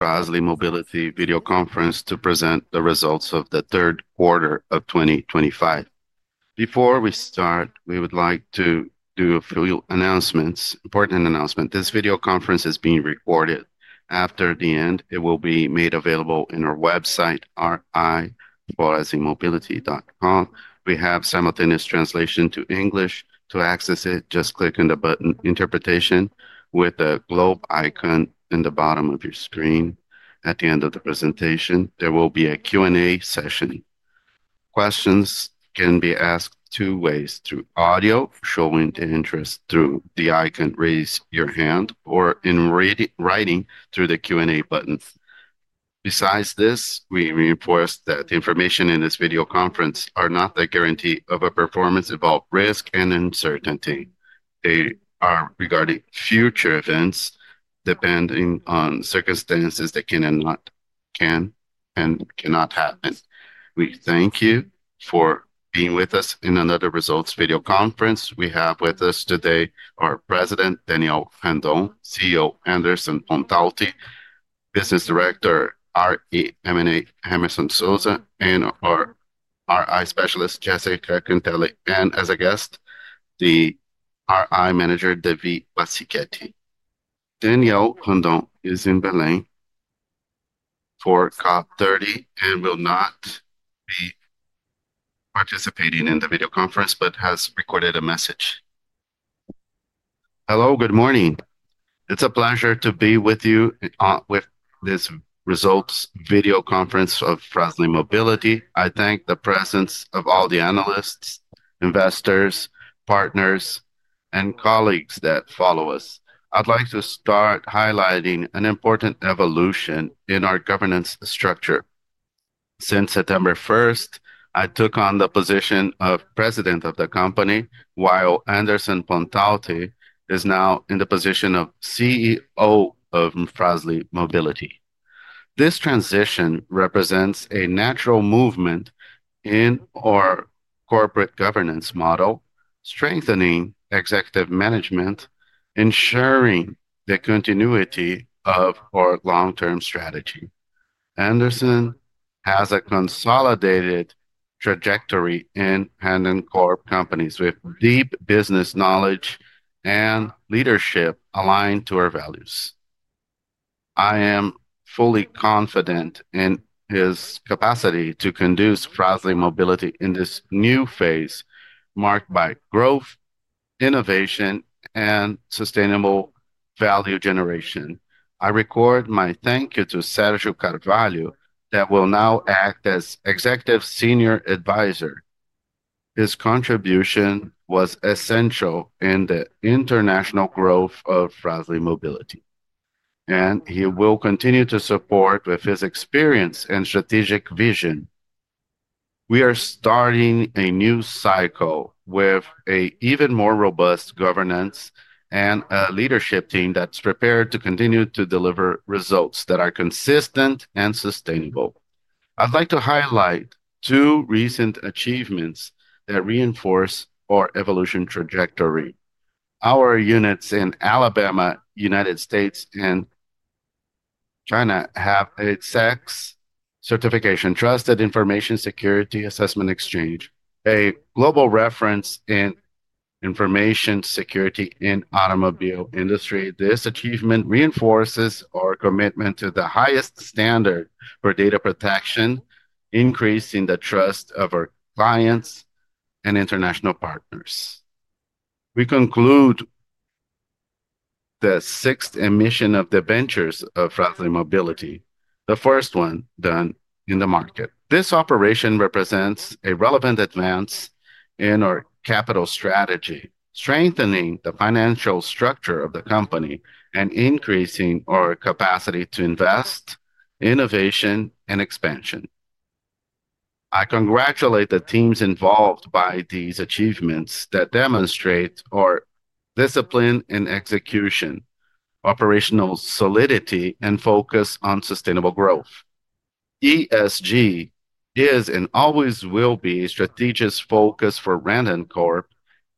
Fras-le Mobility Video Conference to present the results of the third quarter of 2025. Before we start, we would like to do a few announcements, important announcements. This video conference is being recorded. After the end, it will be made available on our website, ri.fraslemobility.com. We have simultaneous translation to English. To access it, just click on the button interpretation with the globe icon in the bottom of your screen. At the end of the presentation, there will be a Q&A session. Questions can be asked two ways, through audio, showing the interest through the icon raise your hand, or in writing through the Q&A buttons. Besides this, we reinforce that the information in this video conference is not the guarantee of a performance-involved risk and uncertainty. They are regarding future events depending on circumstances that can and cannot happen. We thank you for being with us in another results video conference. We have with us today our President, Daniel Randon, CEO, Anderson Pontalti, Business Director, RI M&A Hemerson de Souza, and our RI Specialist, Jéssica Cantele, and as a guest, the RI Manager, David Bicchetti. Daniel Randon is in Belèm for COP30 and will not be participating in the video conference but has recorded a message. Hello, good morning. It's a pleasure to be with you with this results video conference of Fras-le Mobility. I thank the presence of all the analysts, investors, partners, and colleagues that follow us. I'd like to start highlighting an important evolution in our governance structure. Since September 1st, I took on the position of President of the company, while Anderson Pontalti is now in the position of CEO of Fras-le Mobility. This transition represents a natural movement in our corporate governance model, strengthening executive management, ensuring the continuity of our long-term strategy. Anderson has a consolidated trajectory in handling corporate companies with deep business knowledge and leadership aligned to our values. I am fully confident in his capacity to conduce Fras-le Mobility in this new phase marked by growth, innovation, and sustainable value generation. I record my thank you to Sergio Carvalho that will now act as Executive Senior Advisor. His contribution was essential in the international growth of Fras-le Mobility, and he will continue to support with his experience and strategic vision. We are starting a new cycle with an even more robust governance and a leadership team that's prepared to continue to deliver results that are consistent and sustainable. I'd like to highlight two recent achievements that reinforce our evolution trajectory. Our units in Alabama, United States, and China have a TISAX certification, Trusted Information Security Assessment Exchange, a global reference in information security in the automobile industry. This achievement reinforces our commitment to the highest standard for data protection, increasing the trust of our clients and international partners. We conclude the sixth emission of the ventures of Fras-le Mobility, the first one done in the market. This operation represents a relevant advance in our capital strategy, strengthening the financial structure of the company and increasing our capacity to invest, innovation, and expansion. I congratulate the teams involved by these achievements that demonstrate our discipline in execution, operational solidity, and focus on sustainable growth. ESG is and always will be a strategic focus for Randoncorp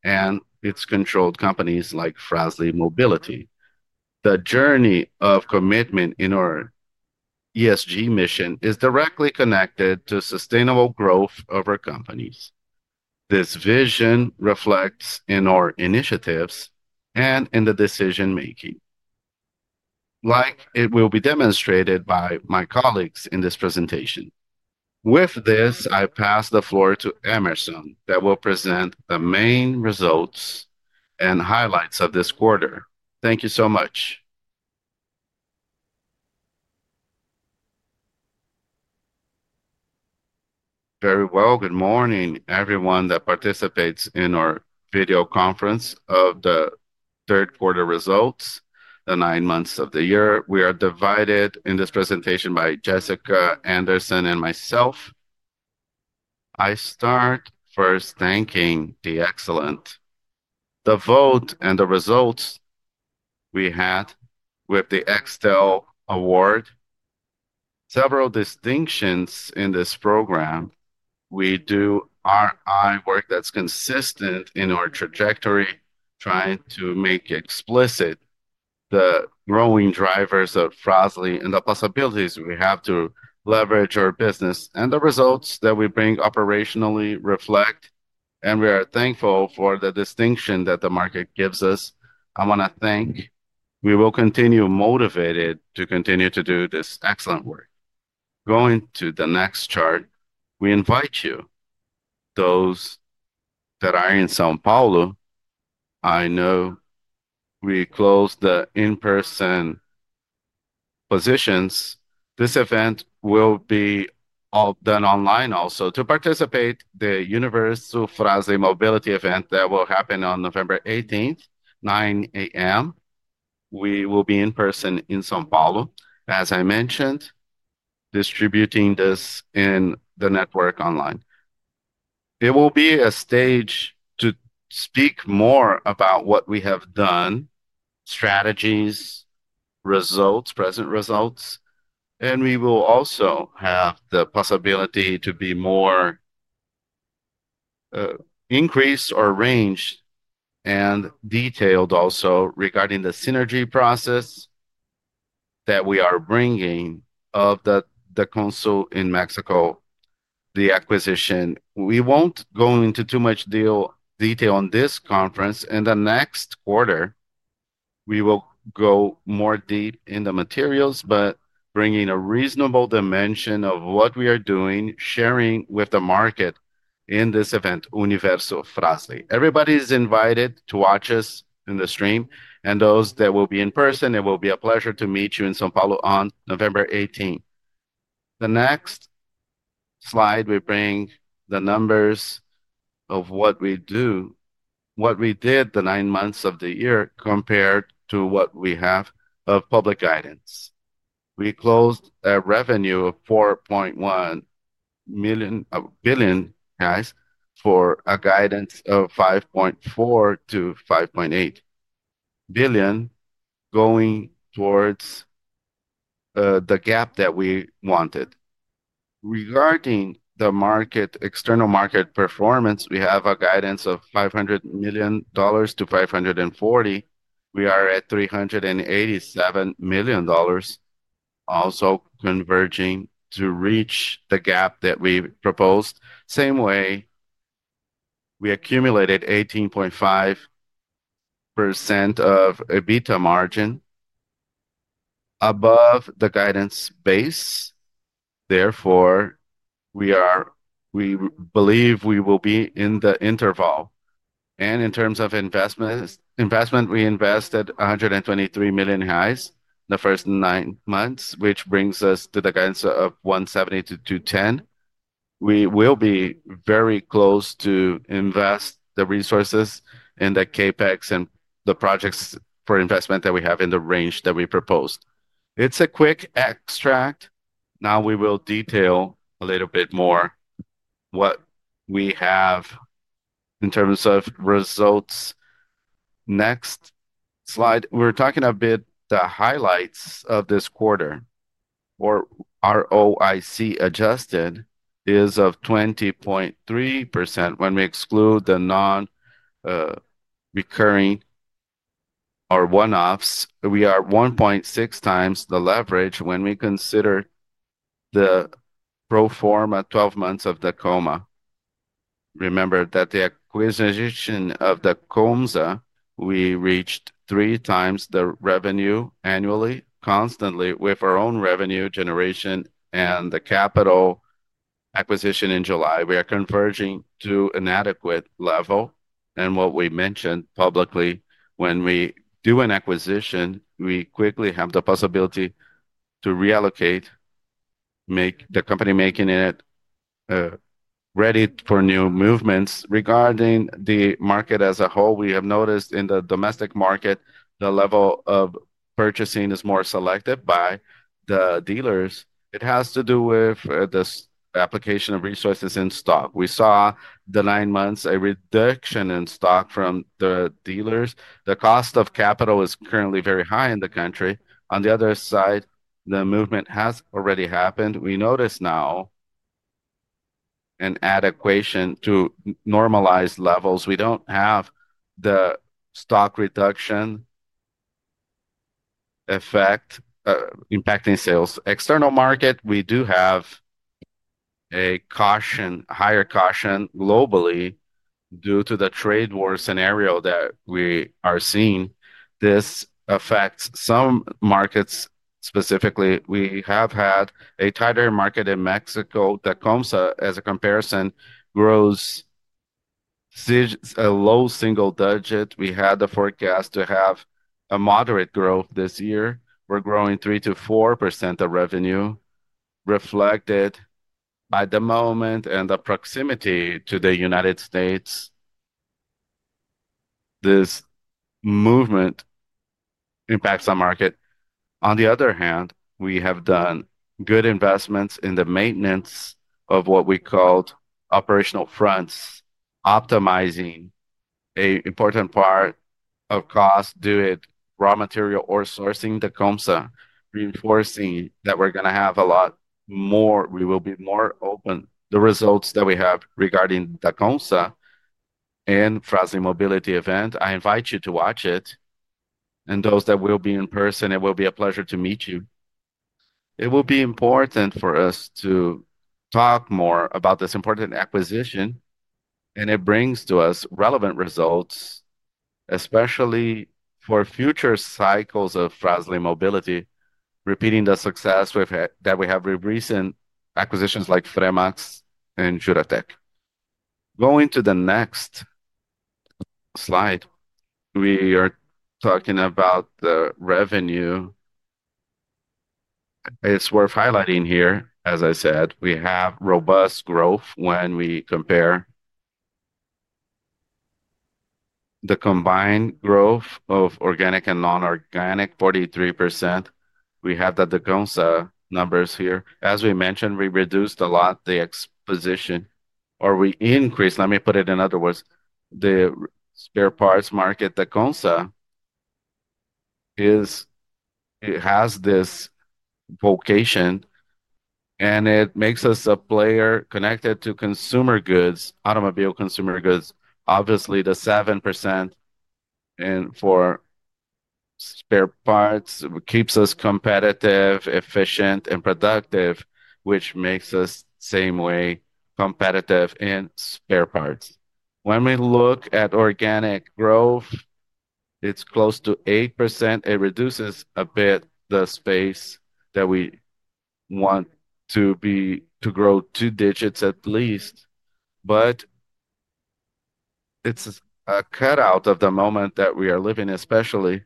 and its controlled companies like Fras-le Mobility. The journey of commitment in our ESG mission is directly connected to sustainable growth of our companies. This vision reflects in our initiatives and in the decision-making, like it will be demonstrated by my colleagues in this presentation. With this, I pass the floor to Hemerson that will present the main results and highlights of this quarter. Thank you so much. Very well, good morning, everyone that participates in our video conference of the third quarter results, the nine months of the year. We are divided in this presentation by Jessica, Anderson, and myself. I start first thanking the excellent, the vote, and the results we had with the Excel Award. Several distinctions in this program. We do RI work that is consistent in our trajectory, trying to make explicit the growing drivers of Frasle and the possibilities we have to leverage our business and the results that we bring operationally reflect, and we are thankful for the distinction that the market gives us. I want to thank. We will continue motivated to continue to do this excellent work. Going to the next chart, we invite you, those that are in São Paulo. I know we closed the in-person positions. This event will be done online also. To participate, the Universo Fras-le Mobility event that will happen on November 18th, 9:00 A.M., we will be in person in São Paulo. As I mentioned, distributing this in the network online. It will be a stage to speak more about what we have done, strategies, results, present results, and we will also have the possibility to be more increased or arranged and detailed also regarding the synergy process that we are bringing of the Dacomsa in Mexico, the acquisition. We will not go into too much detail on this conference. In the next quarter, we will go more deep in the materials, but bringing a reasonable dimension of what we are doing, sharing with the market in this event, Universo Fras-le. Everybody is invited to watch us in the stream, and those that will be in person, it will be a pleasure to meet you in São Paulo on November 18th. The next slide we bring the numbers of what we do, what we did the nine months of the year compared to what we have of public guidance. We closed a revenue of 4.1 billion for a guidance of 5.4 million- 5.8 billion going towards the gap that we wanted. Regarding the market, external market performance, we have a guidance of $500 million-$540 million. We are at $387 million, also converging to reach the gap that we proposed. Same way, we accumulated 18.5% of EBITDA margin above the guidance base. Therefore, we believe we will be in the interval. In terms of investment, we invested 123 million cash the first nine months, which brings us to the guidance of 170 MILLION - 210 million. We will be very close to invest the resources in the CAPEX and the projects for investment that we have in the range that we proposed. It's a quick extract. Now we will detail a little bit more what we have in terms of results. Next slide, we're talking a bit the highlights of this quarter. Our ROIC adjusted is 20.3% when we exclude the non-recurring or one-offs. We are 1.6 times the leverage when we consider the pro forma 12 months of Dacomsa. Remember that the acquisition of Dacomsa, we reached three times the revenue annually, constantly with our own revenue generation and the capital acquisition in July. We are converging to an adequate level. What we mentioned publicly, when we do an acquisition, we quickly have the possibility to reallocate, make the company making it ready for new movements. Regarding the market as a whole, we have noticed in the domestic market, the level of purchasing is more selective by the dealers. It has to do with the application of resources in stock. We saw the nine months a reduction in stock from the dealers. The cost of capital is currently very high in the country. On the other side, the movement has already happened. We notice now an adequation to normalize levels. We do not have the stock reduction effect impacting sales. External market, we do have a caution, higher caution globally due to the trade war scenario that we are seeing. This affects some markets specifically. We have had a tighter market in Mexico. Dacomsa, as a comparison, grows a low single digit. We had the forecast to have a moderate growth this year. We're growing 3%-4% of revenue reflected by the moment and the proximity to the United States. This movement impacts our market. On the other hand, we have done good investments in the maintenance of what we called operational fronts, optimizing an important part of cost, do it raw material or sourcing the Dacomsa, reinforcing that we're going to have a lot more. We will be more open. The results that we have regarding Dacomsa and Fras-le Mobility event, I invite you to watch it. Those that will be in person, it will be a pleasure to meet you. It will be important for us to talk more about this important acquisition, and it brings to us relevant results, especially for future cycles of Fras-le Mobility, repeating the success that we have with recent acquisitions like Fremax and Juratek. Going to the next slide, we are talking about the revenue. It's worth highlighting here, as I said, we have robust growth when we compare the combined growth of organic and non-organic, 43%. We have the Dacomsa numbers here. As we mentioned, we reduced a lot the exposition, or we increased, let me put it in other words, the spare parts market. Dacomsa has this vocation, and it makes us a player connected to consumer goods, automobile consumer goods. Obviously, the 7% for spare parts keeps us competitive, efficient, and productive, which makes us same way competitive in spare parts. When we look at organic growth, it's close to 8%. It reduces a bit the space that we want to be to grow two digits at least, but it's a cutout of the moment that we are living, especially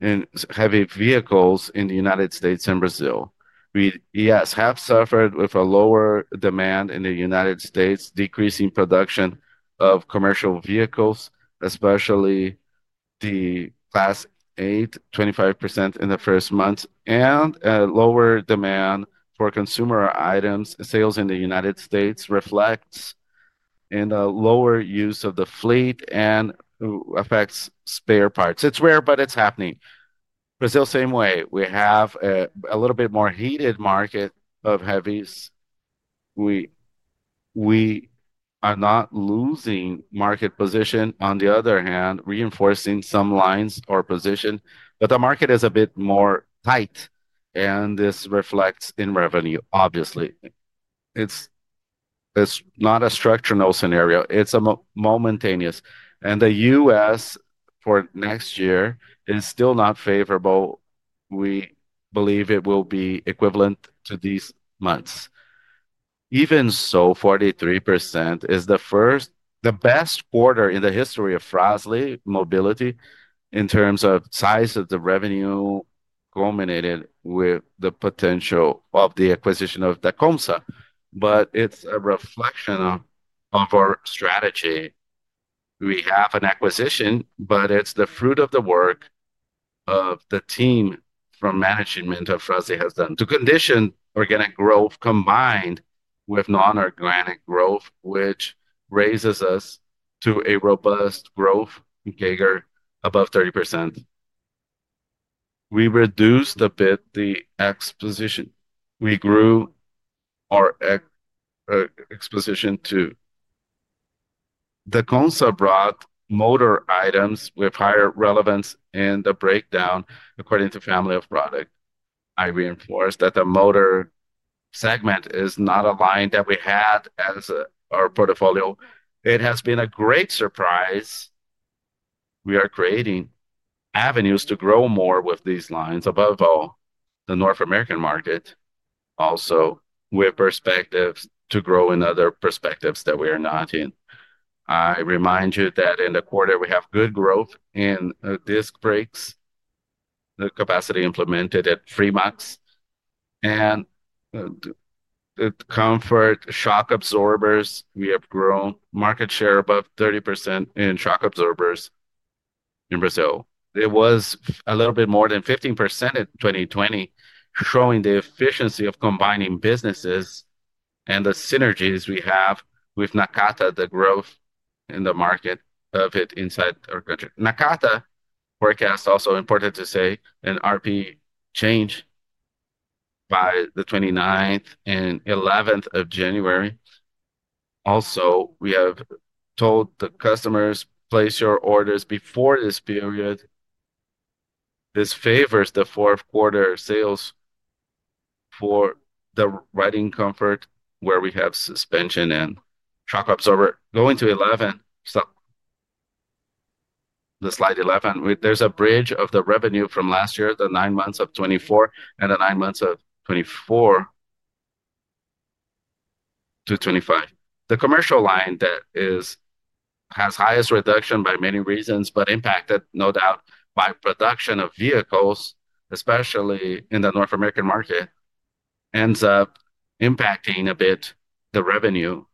in heavy vehicles in the United States and Brazil. We have suffered with a lower demand in the United States, decreasing production of commercial vehicles, especially the Class 8, 25% in the first month, and a lower demand for consumer items. Sales in the United States reflects in a lower use of the fleet and affects spare parts. It's rare, but it's happening. Brazil, same way. We have a little bit more heated market of heavies. We are not losing market position. On the other hand, reinforcing some lines or position, but the market is a bit more tight, and this reflects in revenue, obviously. It is not a structural scenario. It is momentaneous. The U.S. for next year is still not favorable. We believe it will be equivalent to these months. Even so, 43% is the best quarter in the history of Fras-le Mobility in terms of size of the revenue culminated with the potential of the acquisition of Dacomsa, but it is a reflection of our strategy. We have an acquisition, but it is the fruit of the work of the team from management of Fras-le has done to condition organic growth combined with non-organic growth, which raises us to a robust growth figure above 30%. We reduced a bit the exposition. We grew our exposition to Dacomsa brought motor items with higher relevance in the breakdown according to family of product. I reinforce that the motor segment is not aligned that we had as our portfolio. It has been a great surprise. We are creating avenues to grow more with these lines. Above all, the North American market also with perspectives to grow in other perspectives that we are not in. I remind you that in the quarter, we have good growth in disc brakes, the capacity implemented at Fremax, and the comfort shock absorbers. We have grown market share above 30% in shock absorbers in Brazil. It was a little bit more than 15% in 2020, showing the efficiency of combining businesses and the synergies we have with Nakata, the growth in the market of it inside our country. Nakata forecast also important to say an RP change by the 29th and 11th of January. Also, we have told the customers, "Place your orders before this period." This favors the fourth quarter sales for the riding comfort where we have suspension and shock absorber. Going to 11, the slide 11, there is a bridge of the revenue from last year, the nine months of 2024 and the nine months of 2024 to 2025. The commercial line that has highest reduction by many reasons, but impacted no doubt by production of vehicles, especially in the North American market, ends up impacting a bit the revenue.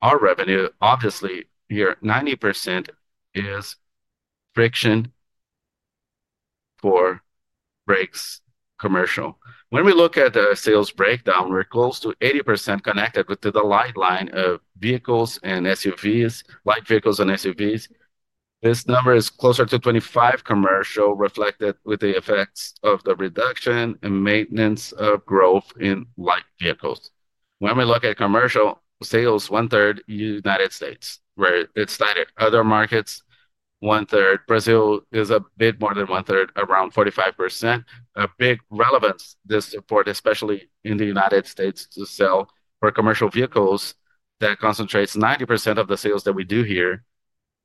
Our revenue, obviously here, 90% is friction for brakes commercial. When we look at the sales breakdown, we are close to 80% connected with the light line of vehicles and SUVs, light vehicles and SUVs. This number is closer to 25 commercial reflected with the effects of the reduction and maintenance of growth in light vehicles. When we look at commercial sales, 1/3 United States, where it's tighter. Other markets, 1/3 Brazil is a bit more than 1/3, around 45%. A big relevance, this support, especially in the United States to sell for commercial vehicles that concentrates 90% of the sales that we do here,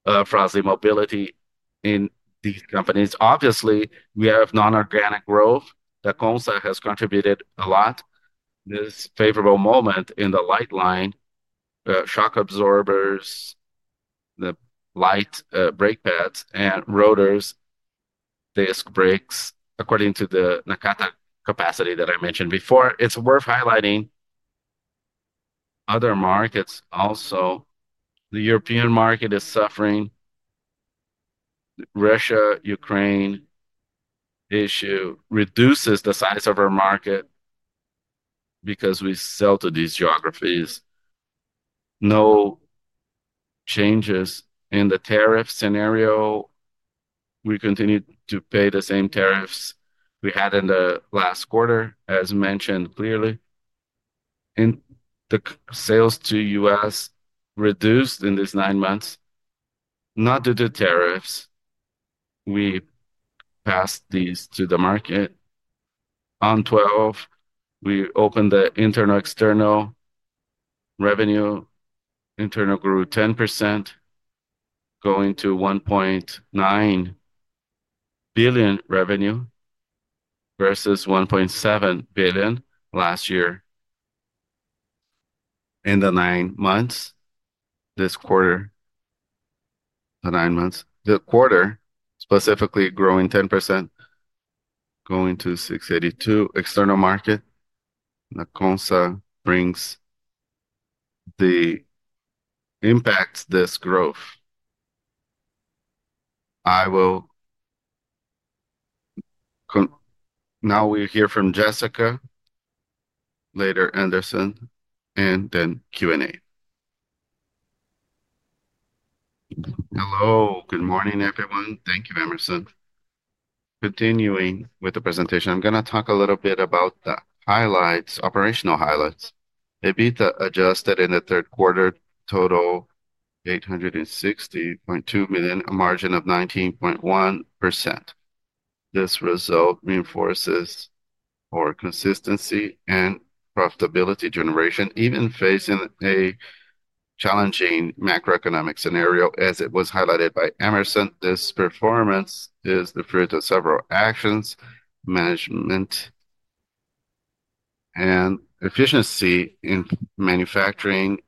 Fras-le Mobility in these companies. Obviously, we have non-organic growth. Dacomsa has contributed a lot. This favorable moment in the light line, shock absorbers, the light brake pads and rotors, disc brakes, according to the Nakata capacity that I mentioned before. It's worth highlighting other markets also. The European market is suffering. Russia, Ukraine issue reduces the size of our market because we sell to these geographies. No changes in the tariff scenario. We continue to pay the same tariffs we had in the last quarter, as mentioned clearly. The sales to the U.S. reduced in these nine months, not due to tariffs. We passed these to the market. On 12, we opened the internal external revenue. Internal grew 10%, going to 1.9 billion revenue versus 1.7 billion last year. In the nine months, this quarter, the nine months, the quarter specifically growing 10%, going to 682 million external market. Dacomsa brings the impact this growth. I will now we hear from Jessica, later Anderson, and then Q&A. Hello, good morning everyone. Thank you, Emerson. Continuing with the presentation, I'm going to talk a little bit about the highlights, operational highlights. EBITDA adjusted in the third quarter total 860.2 million, a margin of 19.1%. This result reinforces our consistency and profitability generation, even facing a challenging macroeconomic scenario, as it was highlighted by Emerson. This performance is the fruit of several actions, management, and efficiency in manufacturing.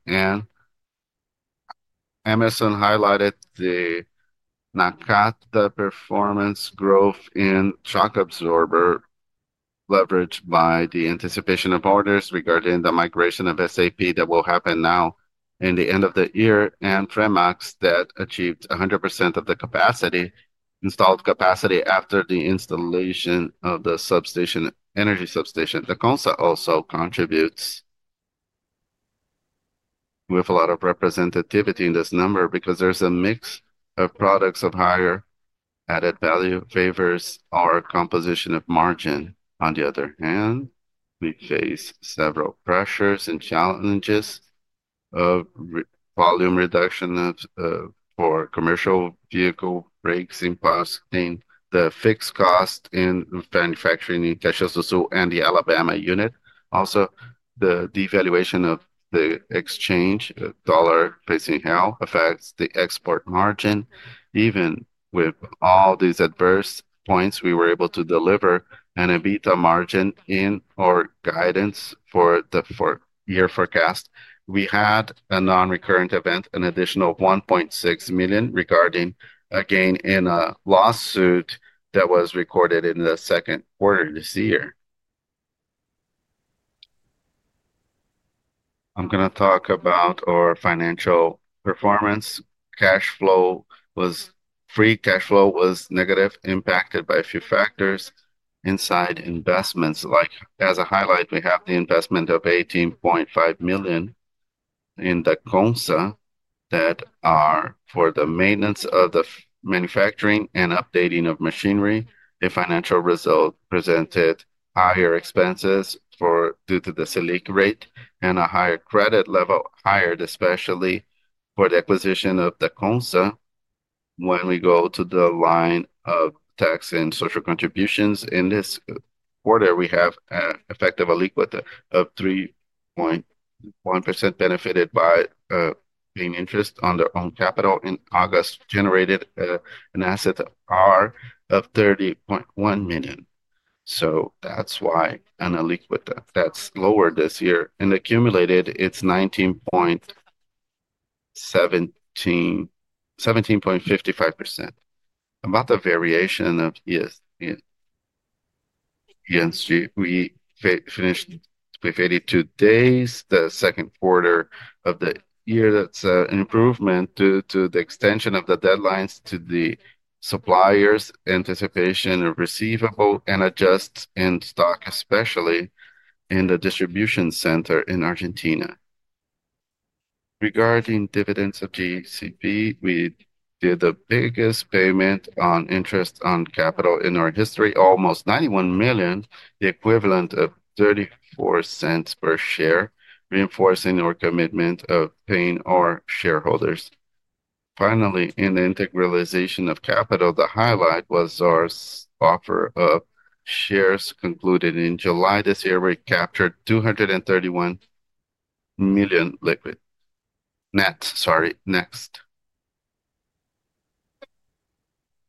Emerson highlighted the Nakata performance growth in shock absorber leveraged by the anticipation of orders regarding the migration of SAP that will happen now in the end of the year and Fremax that achieved 100% of the installed capacity after the installation of the energy substation. Dacomsa also contributes with a lot of representativity in this number because there is a mix of products of higher added value that favors our composition of margin. On the other hand, we face several pressures and challenges of volume reduction for commercial vehicle brakes in the fixed cost in manufacturing in Caxias do Sul and the Alabama unit. Also, the devaluation of the exchange dollar facing real affects the export margin. Even with all these adverse points, we were able to deliver an EBITDA margin in our guidance for the year forecast. We had a non-recurrent event, an additional 1.6 million regarding a gain in a lawsuit that was recorded in the second quarter this year. I'm going to talk about our financial performance. Cash flow was free cash flow was negative, impacted by a few factors inside investments. Like as a highlight, we have the investment of 18.5 million in Dacomsa that are for the maintenance of the manufacturing and updating of machinery. The financial result presented higher expenses due to the SELIC rate and a higher credit level, higher especially for the acquisition of Dacomsa. When we go to the line of tax and social contributions in this quarter, we have an effective Aliquota of 3.1% benefited by paying interest on their own capital in August generated an asset R$ 30.1 million. That's why an Aliquota that's lower this year and accumulated, it's 19.17%-17.55%. About the variation of ENG, we finished with 82 days, the second quarter of the year. That's an improvement due to the extension of the deadlines to the suppliers' anticipation of receivable and adjust in stock, especially in the distribution center in Argentina. Regarding dividends of JCP, we did the biggest payment on interest on capital in our history, almost 91 million, the equivalent of 0.34 per share, reinforcing our commitment of paying our shareholders. Finally, in the integralization of capital, the highlight was our offer of shares concluded in July this year. We captured 231 million liquid net. Sorry, next.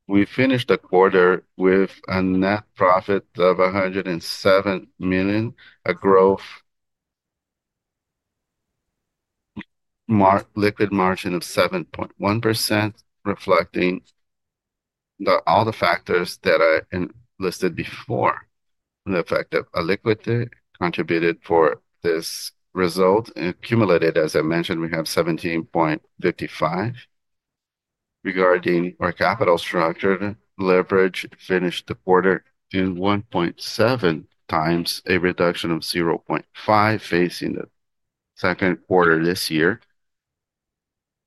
We finished the quarter with a net profit of 107 million, a growth liquid margin of 7.1%, reflecting all the factors that I listed before. The effect of a liquidity contributed for this result and accumulated, as I mentioned, we have 17.55. Regarding our capital structure, leverage finished the quarter in 1.7 times, a reduction of 0.5 facing the second quarter this year.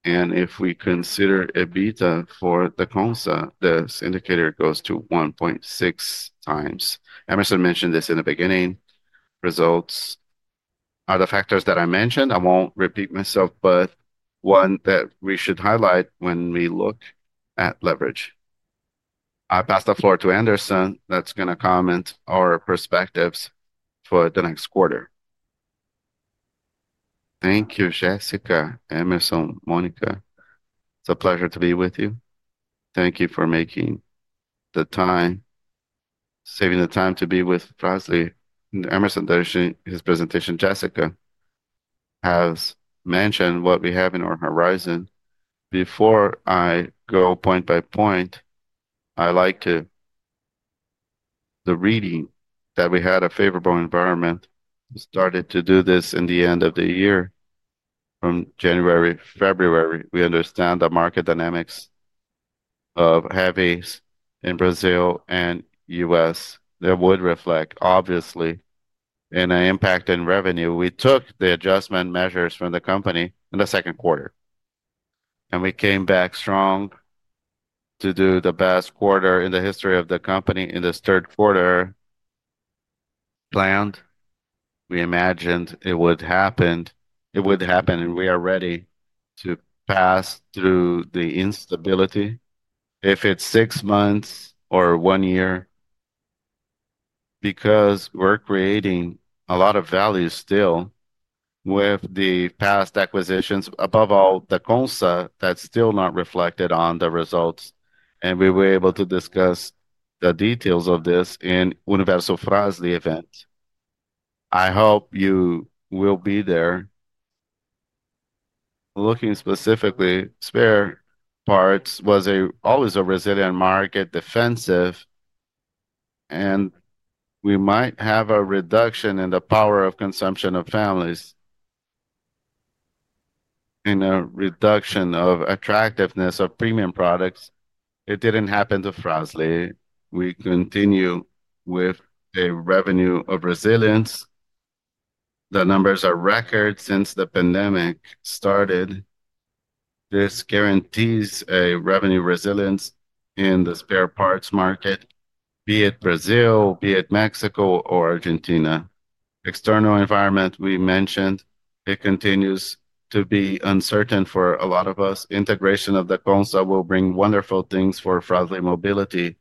If we consider EBITDA for Dacomsa, this indicator goes to 1.6 times. Emerson mentioned this in the beginning. Results are the factors that I mentioned. I won't repeat myself, but one that we should highlight when we look at leverage. I pass the floor to Anderson that's going to comment our perspectives for the next quarter. Thank you, Jessica, Emerson, Monica. It's a pleasure to be with you. Thank you for making the time, saving the time to be with Fras-le. Emerson, there's his presentation. Jessica has mentioned what we have in our horizon. Before I go point by point, I like to the reading that we had a favorable environment. We started to do this in the end of the year from January, February. We understand the market dynamics of heavy in Brazil and U.S. That would reflect obviously in an impact in revenue. We took the adjustment measures from the company in the second quarter, and we came back strong to do the best quarter in the history of the company in this third quarter planned. We imagined it would happen. It would happen, and we are ready to pass through the instability if it's six months or one year because we're creating a lot of value still with the past acquisitions. Above all, Dacomsa that's still not reflected on the results. We were able to discuss the details of this in Universo Fras-le event. I hope you will be there looking specifically. Spare parts was always a resilient market, defensive, and we might have a reduction in the power of consumption of families and a reduction of attractiveness of premium products. It did not happen to Fras-le. We continue with a revenue of resilience. The numbers are record since the pandemic started. This guarantees a revenue resilience in the spare parts market, be it Brazil, be it Mexico, or Argentina. External environment we mentioned, it continues to be uncertain for a lot of us. Integration of Dacomsa will bring wonderful things for Fras-le Mobility.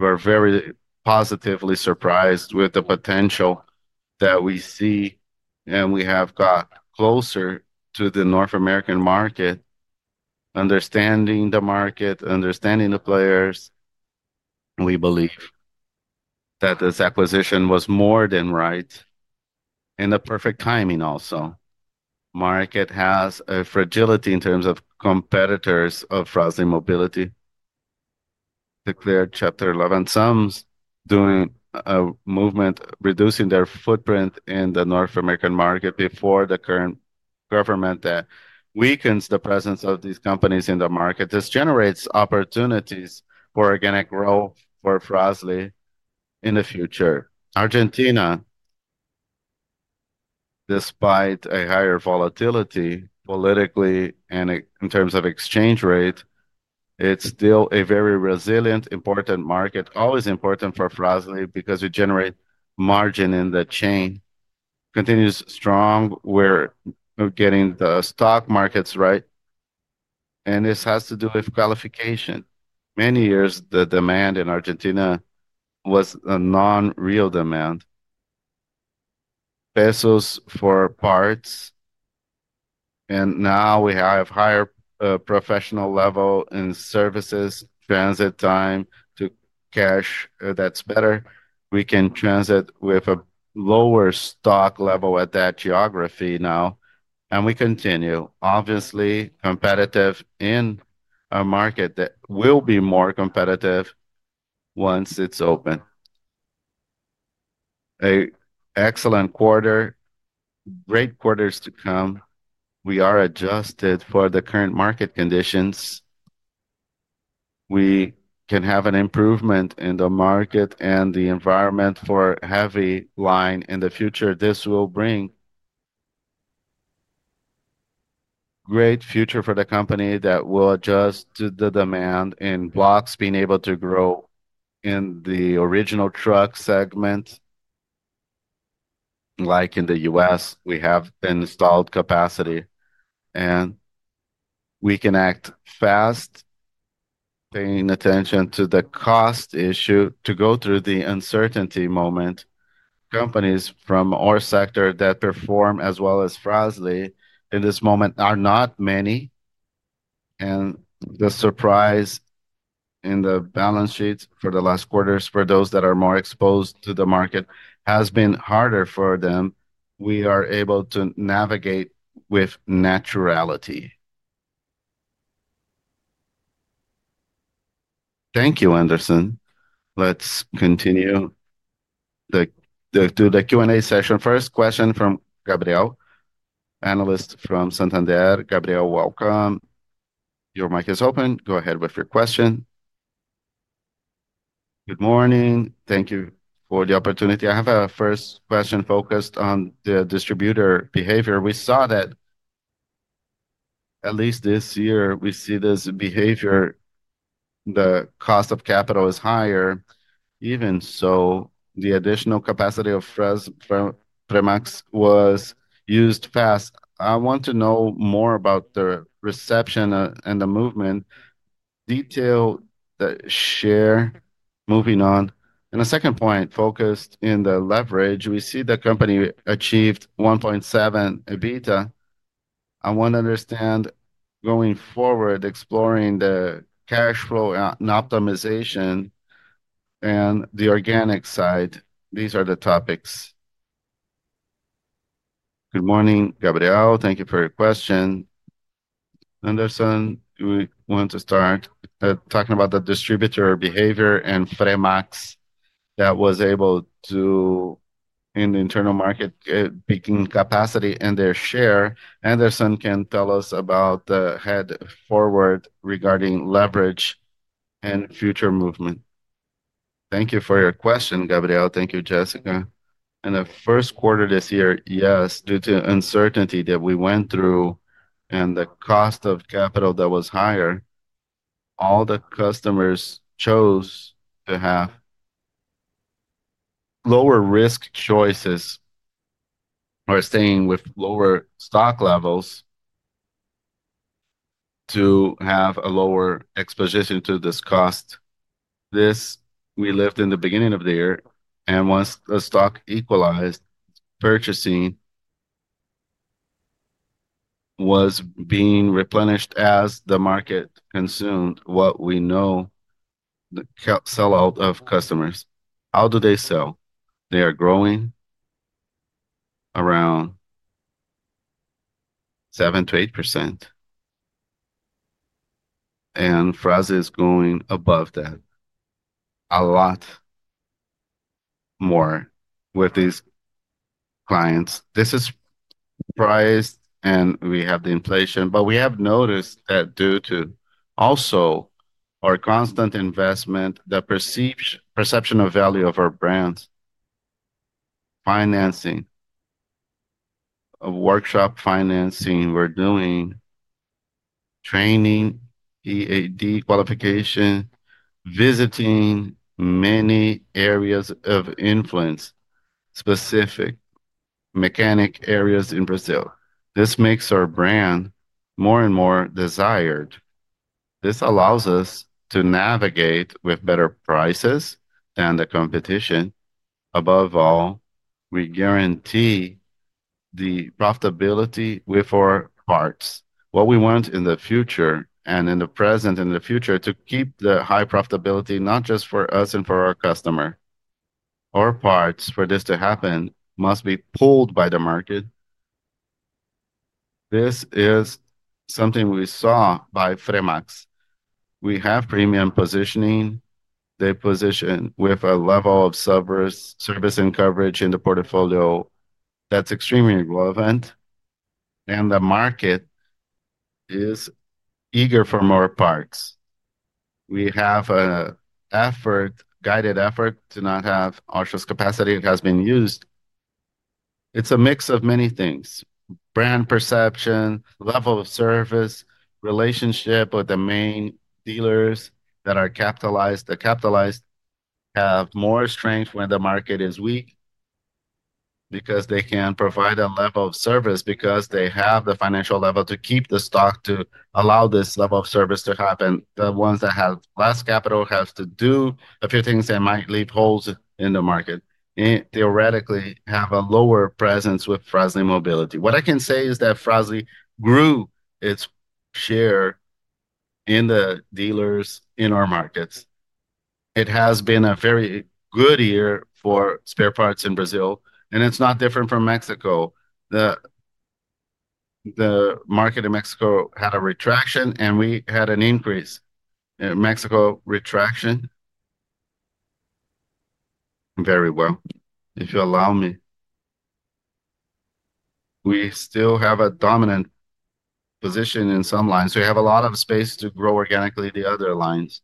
We're very positively surprised with the potential that we see, and we have got closer to the North American market, understanding the market, understanding the players. We believe that this acquisition was more than right and a perfect timing also. Market has a fragility in terms of competitors of Fras-le Mobility. Declared chapter 11, some doing a movement, reducing their footprint in the North American market before the current government that weakens the presence of these companies in the market. This generates opportunities for organic growth for Fras-le in the future. Argentina, despite a higher volatility politically and in terms of exchange rate, it's still a very resilient, important market, always important for Fras-le because we generate margin in the chain. Continues strong. We're getting the stock markets right, and this has to do with qualification. Many years, the demand in Argentina was a non-real demand, pesos for parts. We have higher professional level in services, transit time to cash that's better. We can transit with a lower stock level at that geography now, and we continue, obviously competitive in a market that will be more competitive once it's open. An excellent quarter, great quarters to come. We are adjusted for the current market conditions. We can have an improvement in the market and the environment for heavy line in the future. This will bring great future for the company that will adjust to the demand in blocks, being able to grow in the original truck segment. Like in the U.S., we have installed capacity, and we can act fast, paying attention to the cost issue to go through the uncertainty moment. Companies from our sector that perform as well as Fras-le in this moment are not many. The surprise in the balance sheets for the last quarters for those that are more exposed to the market has been harder for them. We are able to navigate with naturality. Thank you, Anderson. Let's continue to the Q&A session. First question from Gabriel, analyst from Santander. Gabriel, welcome. Your mic is open. Go ahead with your question. Good morning. Thank you for the opportunity. I have a first question focused on the distributor behavior. We saw that at least this year we see this behavior. The cost of capital is higher. Even so, the additional capacity of Fras-le Fremax was used fast. I want to know more about the reception and the movement detail that share moving on. And a second point focused in the leverage, we see the company achieved 1.7 EBITDA. I want to understand going forward, exploring the cash flow and optimization and the organic side. These are the topics. Good morning, Gabriel. Thank you for your question. Anderson, we want to start talking about the distributor behavior and Fremax that was able to, in the internal market, beating capacity and their share. Anderson, can tell us about the head forward regarding leverage and future movement? Thank you for your question, Gabriel. Thank you, Jessica. In the first quarter this year, yes, due to uncertainty that we went through and the cost of capital that was higher, all the customers chose to have lower risk choices or staying with lower stock levels to have a lower exposition to this cost. This we lived in the beginning of the year, and once the stock equalized, purchasing was being replenished as the market consumed what we know the sellout of customers. How do they sell? They are growing around 7%-8%, and Fras-le is going above that a lot more with these clients. This is priced, and we have the inflation, but we have noticed that due to also our constant investment, the perception of value of our brands, financing, workshop financing, we're doing training, EAD qualification, visiting many areas of influence, specific mechanic areas in Brazil. This makes our brand more and more desired. This allows us to navigate with better prices than the competition. Above all, we guarantee the profitability with our parts. What we want in the future and in the present and in the future to keep the high profitability not just for us and for our customer. Our parts, for this to happen, must be pulled by the market. This is something we saw by Fremax. We have premium positioning. They position with a level of service and coverage in the portfolio that's extremely relevant, and the market is eager for more parts. We have an effort, guided effort to not have ostentatious capacity. It has been used. It's a mix of many things: brand perception, level of service, relationship with the main dealers that are capitalized. The capitalized have more strength when the market is weak because they can provide a level of service because they have the financial level to keep the stock to allow this level of service to happen. The ones that have less capital have to do a few things that might leave holes in the market and theoretically have a lower presence with Fras-le Mobility. What I can say is that Fras-le grew its share in the dealers in our markets. It has been a very good year for spare parts in Brazil, and it's not different from Mexico. The market in Mexico had a retraction, and we had an increase in Mexico retraction. Very well, if you allow me. We still have a dominant position in some lines. We have a lot of space to grow organically the other lines.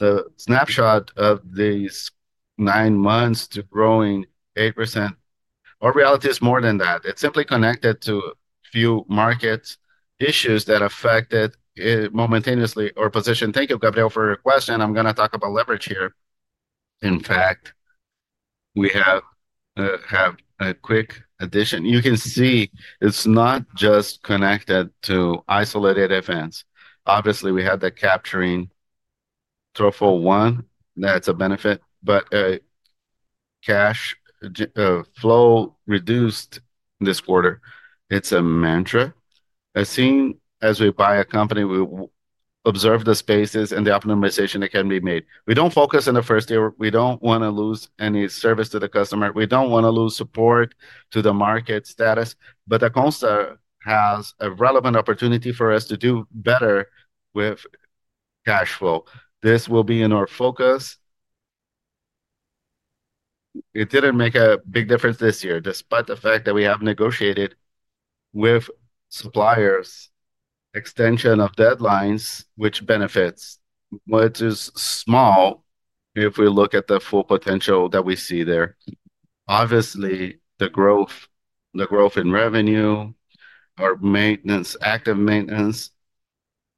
The snapshot of these nine months to growing 8%, our reality is more than that. It's simply connected to a few market issues that affected momentaneously our position. Thank you, Gabriel, for your question. I'm going to talk about leverage here. In fact, we have a quick addition. You can see it's not just connected to isolated events. Obviously, we had the capturing throttle one. That's a benefit, but cash flow reduced this quarter. It's a mantra. As soon as we buy a company, we observe the spaces and the optimization that can be made. We do not focus on the first year. We do not want to lose any service to the customer. We do not want to lose support to the market status. Dacomsa has a relevant opportunity for us to do better with cash flow. This will be in our focus. It did not make a big difference this year, despite the fact that we have negotiated with suppliers' extension of deadlines, which benefits. It is small if we look at the full potential that we see there. Obviously, the growth in revenue, our maintenance, active maintenance,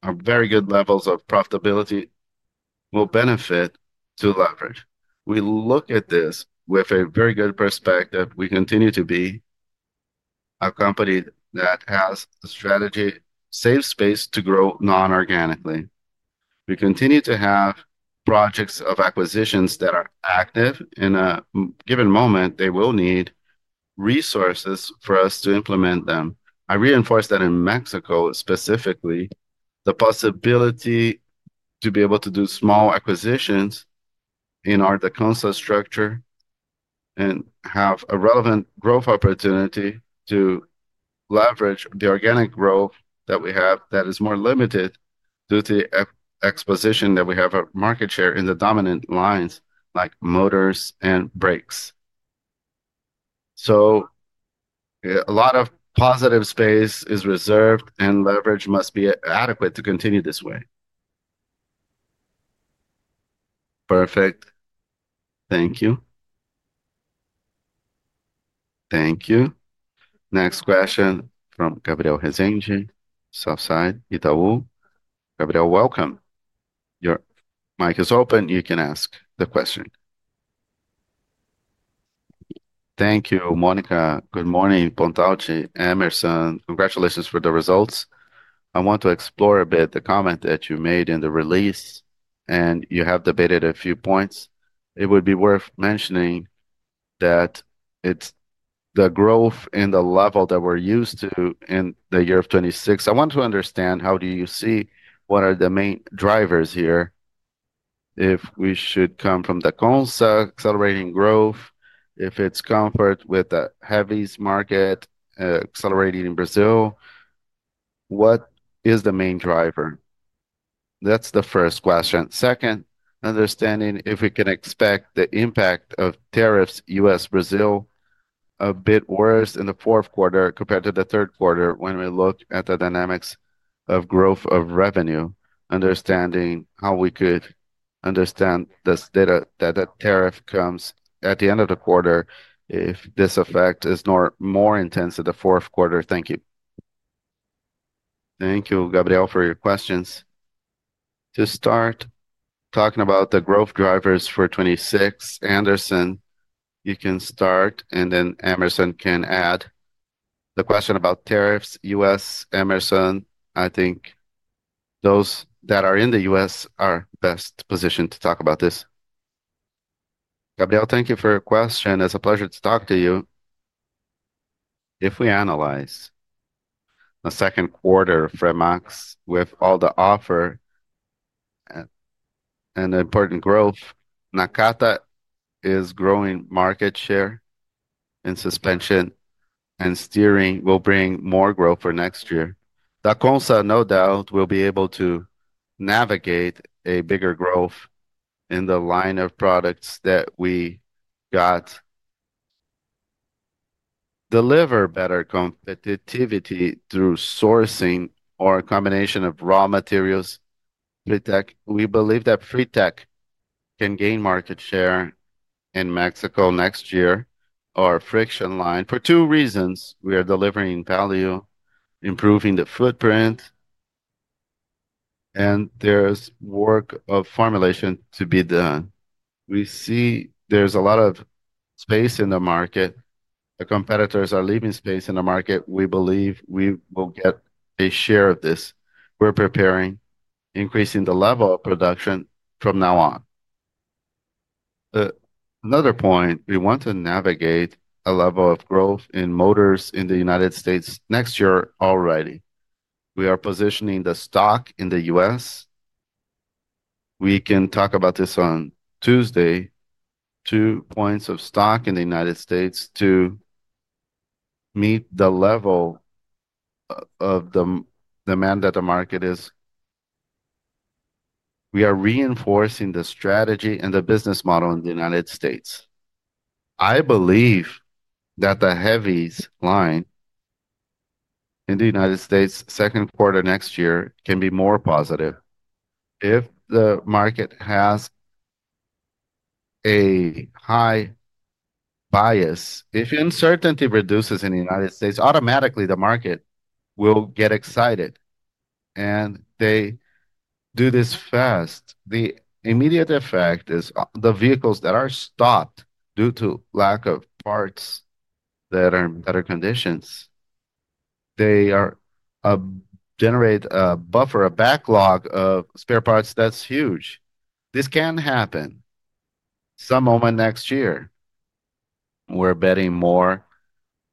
our very good levels of profitability will benefit to leverage. We look at this with a very good perspective. We continue to be a company that has a strategy: save space to grow non-organically. We continue to have projects of acquisitions that are active. In a given moment, they will need resources for us to implement them. I reinforce that in Mexico, specifically the possibility to be able to do small acquisitions in our Dacomsa structure and have a relevant growth opportunity to leverage the organic growth that we have that is more limited due to the exposition that we have a market share in the dominant lines like motors and brakes. A lot of positive space is reserved, and leverage must be adequate to continue this way. Perfect. Thank you. Thank you. Next question from Gabriel Rezende, South Side, Itau. Gabriel, welcome. Your mic is open. You can ask the question. Thank you, Monica. Good morning, Pontalti, Emerson. Congratulations for the results. I want to explore a bit the comment that you made in the release, and you have debated a few points. It would be worth mentioning that it's the growth in the level that we're used to in the year of 2026. I want to understand how do you see what are the main drivers here? If we should come from Dacomsa, accelerating growth, if it's comfort with the heaviest market accelerating in Brazil, what is the main driver? That's the first question. Second, understanding if we can expect the impact of tariffs, U.S., Brazil, a bit worse in the fourth quarter compared to the third quarter when we look at the dynamics of growth of revenue, understanding how we could understand this data that the tariff comes at the end of the quarter if this effect is more intense in the fourth quarter. Thank you. Thank you, Gabriel, for your questions. To start talking about the growth drivers for 2026, Anderson, you can start, and then Emerson can add the question about tariffs, U.S., Emerson. I think those that are in the U.S. are best positioned to talk about this. Gabriel, thank you for your question. It's a pleasure to talk to you. If we analyze the second quarter, Fremax with all the offer and important growth, Nakata is growing market share in suspension, and steering will bring more growth for next year. Dacomsa, no doubt, will be able to navigate a bigger growth in the line of products that we got, deliver better competitivity through sourcing or a combination of raw materials. We believe that FRITEC can gain market share in Mexico next year or friction line for two reasons. We are delivering value, improving the footprint, and there's work of formulation to be done. We see there's a lot of space in the market. The competitors are leaving space in the market. We believe we will get a share of this. We're preparing, increasing the level of production from now on. Another point, we want to navigate a level of growth in motors in the United States next year already. We are positioning the stock in the U.S. We can talk about this on Tuesday, two points of stock in the United States to meet the level of the demand that the market is. We are reinforcing the strategy and the business model in the United States. I believe that the heaviest line in the United States second quarter next year can be more positive if the market has a high bias. If uncertainty reduces in the United States, automatically the market will get excited, and they do this fast. The immediate effect is the vehicles that are stopped due to lack of parts that are in better conditions. They generate a buffer, a backlog of spare parts. That is huge. This can happen some moment next year. We are betting more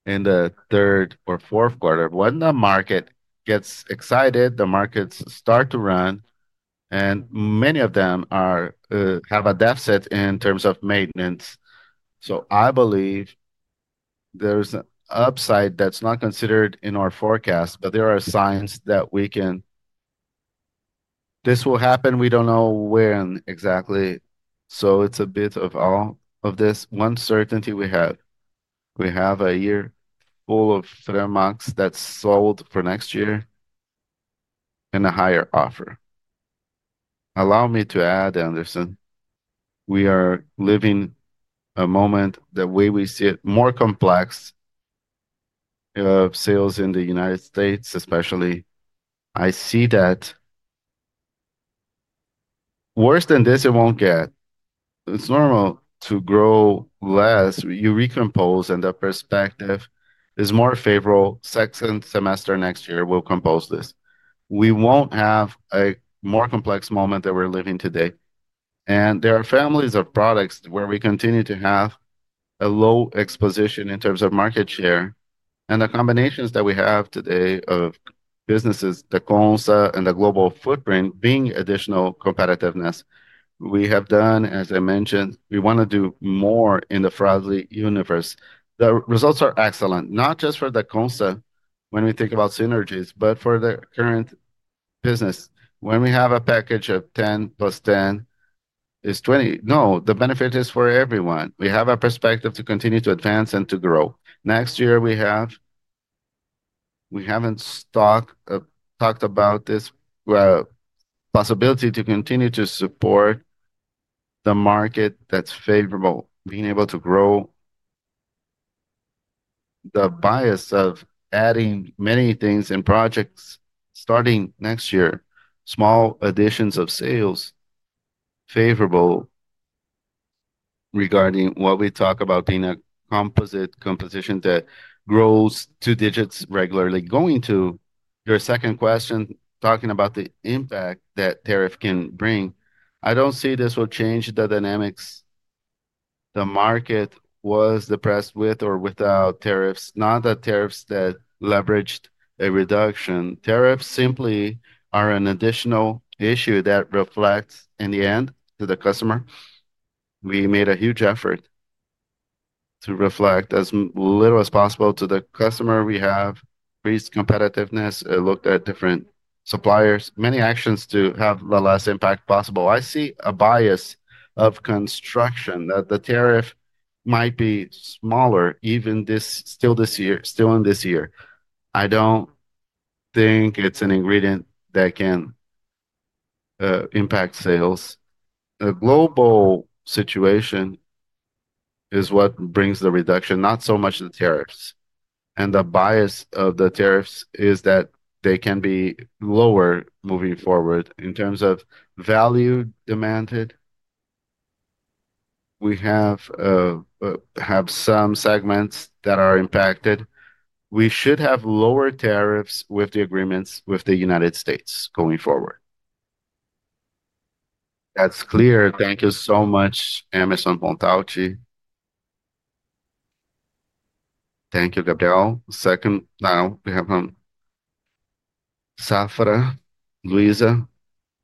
in the third or fourth quarter. When the market gets excited, the markets start to run, and many of them have a deficit in terms of maintenance. I believe there is an upside that is not considered in our forecast, but there are signs that we can this will happen. We do not know when exactly. It is a bit of all of this one certainty we have. We have a year full of Fremax that is sold for next year in a higher offer. Allow me to add, Anderson. We are living a moment, the way we see it, more complex of sales in the United States, especially. I see that worse than this it won't get. It's normal to grow less. You recompose, and the perspective is more favorable. Second semester next year, we'll compose this. We won't have a more complex moment than we're living today. There are families of products where we continue to have a low exposition in terms of market share, and the combinations that we have today of businesses, Dacomsa, and the global footprint being additional competitiveness. We have done, as I mentioned, we want to do more in the Fras-le universe. The results are excellent, not just for Dacomsa when we think about synergies, but for the current business. When we have a package of 10 plus 10, it's 20. No, the benefit is for everyone. We have a perspective to continue to advance and to grow. Next year, we have not talked about this possibility to continue to support the market that is favorable, being able to grow the bias of adding many things in projects starting next year, small additions of sales favorable regarding what we talk about being a composite composition that grows two digits regularly. Going to your second question, talking about the impact that tariff can bring, I do not see this will change the dynamics. The market was depressed with or without tariffs, not the tariffs that leveraged a reduction. Tariffs simply are an additional issue that reflects in the end to the customer. We made a huge effort to reflect as little as possible to the customer. We have increased competitiveness. I looked at different suppliers, many actions to have the last impact possible. I see a bias of construction that the tariff might be smaller even still this year, still in this year. I do not think it is an ingredient that can impact sales. The global situation is what brings the reduction, not so much the tariffs. The bias of the tariffs is that they can be lower moving forward in terms of value demanded. We have some segments that are impacted. We should have lower tariffs with the agreements with the United States going forward. That is clear. Thank you so much, Emerson Souza. Thank you, Gabriel. Second, now we have Safra. Luisa,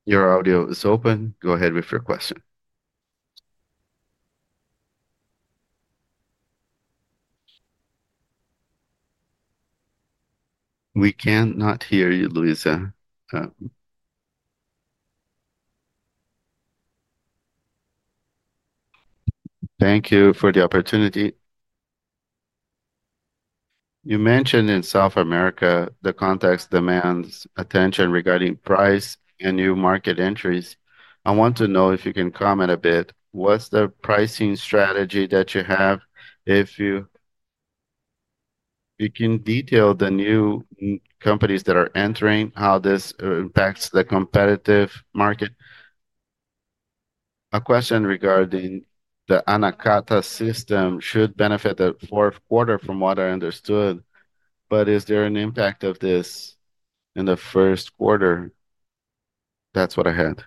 your audio is open. Go ahead with your question. We cannot hear you, Luisa. Thank you for the opportunity. You mentioned in South America the context demands attention regarding price and new market entries. I want to know if you can comment a bit. What's the pricing strategy that you have? If you can detail the new companies that are entering, how this impacts the competitive market. A question regarding the Nakata system should benefit the fourth quarter from what I understood, but is there an impact of this in the first quarter? That's what I had.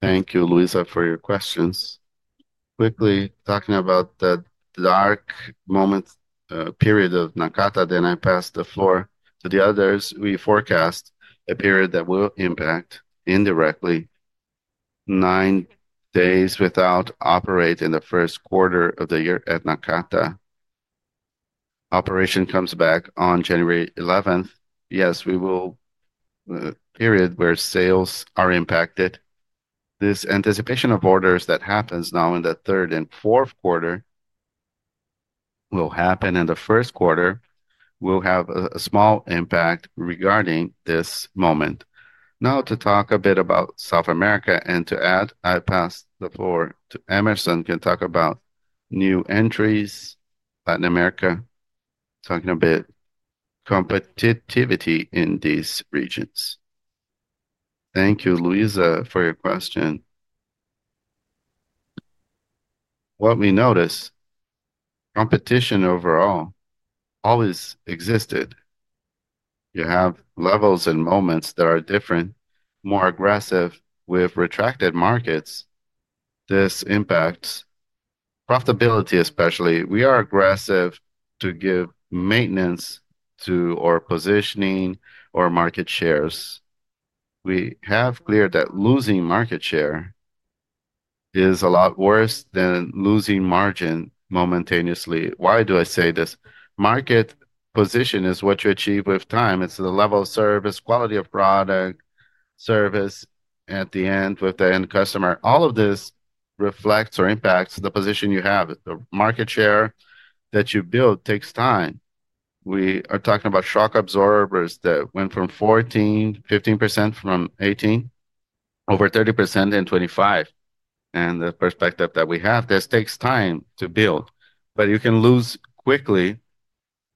Thank you, Luisa, for your questions. Quickly talking about the dark moment period of Nakata, then I pass the floor to the others. We forecast a period that will impact indirectly nine days without operating the first quarter of the year at Nakata. Operation comes back on January 11. Yes, we will. Period where sales are impacted. This anticipation of orders that happens now in the third and fourth quarter will happen in the first quarter. We'll have a small impact regarding this moment. Now to talk a bit about South America and to add, I pass the floor to Emerson. Can talk about new entries, Latin America, talking a bit competitivity in these regions. Thank you, Luisa, for your question. What we notice, competition overall always existed. You have levels and moments that are different, more aggressive with retracted markets. This impacts profitability, especially. We are aggressive to give maintenance to our positioning or market shares. We have cleared that losing market share is a lot worse than losing margin momentaneously. Why do I say this? Market position is what you achieve with time. It's the level of service, quality of product, service at the end with the end customer. All of this reflects or impacts the position you have. The market share that you build takes time. We are talking about shock absorbers that went from 14%, 15% from 18%, over 30% in 2025. The perspective that we have, this takes time to build. You can lose quickly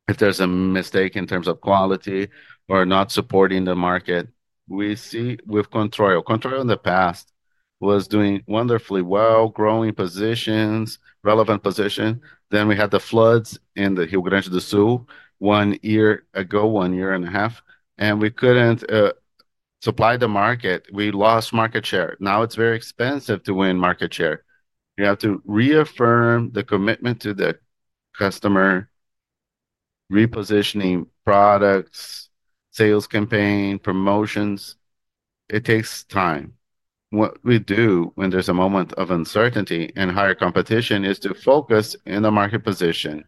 if there is a mistake in terms of quality or not supporting the market. We see with Controil. Controil in the past was doing wonderfully well, growing positions, relevant position. We had the floods in Rio Grande do Sul one year ago, one year and a half, and we could not supply the market. We lost market share. Now it is very expensive to win market share. You have to reaffirm the commitment to the customer, repositioning products, sales campaign, promotions. It takes time. What we do when there is a moment of uncertainty and higher competition is to focus in the market position.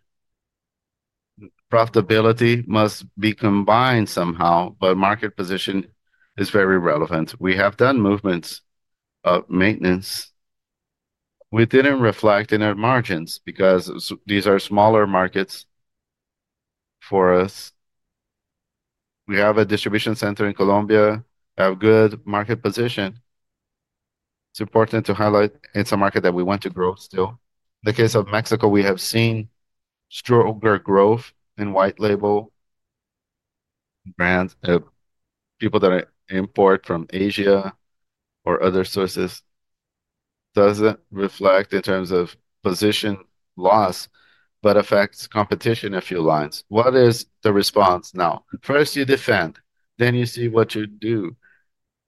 Profitability must be combined somehow, but market position is very relevant. We have done movements of maintenance. We did not reflect in our margins because these are smaller markets for us. We have a distribution center in Colombia, have good market position. It is important to highlight it is a market that we want to grow still. In the case of Mexico, we have seen stronger growth in white label brands, people that import from Asia or other sources. Does not reflect in terms of position loss, but affects competition a few lines. What is the response now? First, you defend, then you see what you do.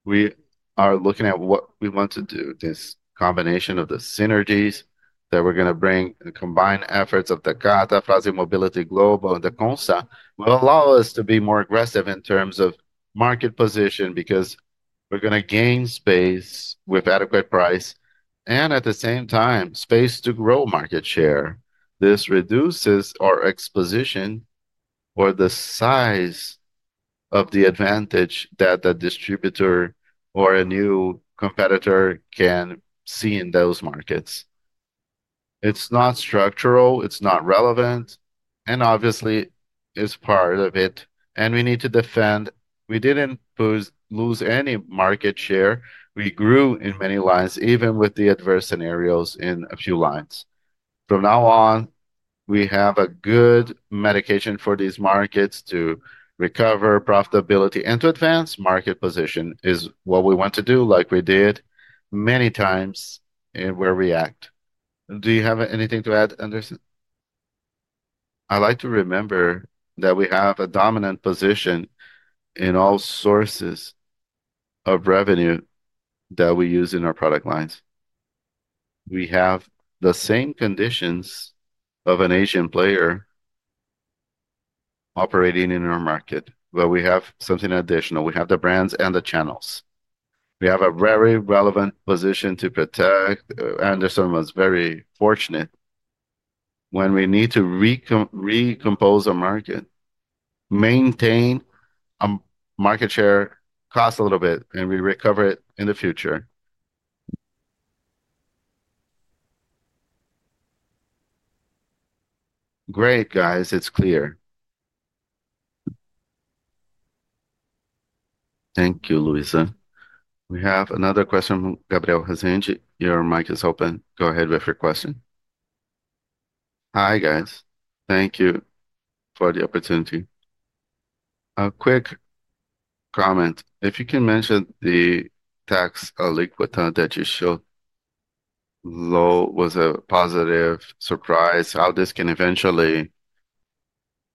We are looking at what we want to do, this combination of the synergies that we're going to bring and combined efforts of the GATA, Fras-le Mobility global, and Dacomsa will allow us to be more aggressive in terms of market position because we're going to gain space with adequate price and at the same time, space to grow market share. This reduces our exposition or the size of the advantage that the distributor or a new competitor can see in those markets. It's not structural, it's not relevant, and obviously, it's part of it. We need to defend. We didn't lose any market share. We grew in many lines, even with the adverse scenarios in a few lines. From now on, we have a good medication for these markets to recover profitability and to advance market position is what we want to do, like we did many times where we act. Do you have anything to add, Anderson? I like to remember that we have a dominant position in all sources of revenue that we use in our product lines. We have the same conditions of an Asian player operating in our market, but we have something additional. We have the brands and the channels. We have a very relevant position to protect. Anderson was very fortunate when we need to recompose a market, maintain a market share, cost a little bit, and we recover it in the future. Great, guys. It's clear. Thank you, Luisa. We have another question from Gabriel Hazenchi. Your mic is open. Go ahead with your question. Hi, guys. Thank you for the opportunity. A quick comment. If you can mention the tax aliquota that you showed low was a positive surprise. How this can eventually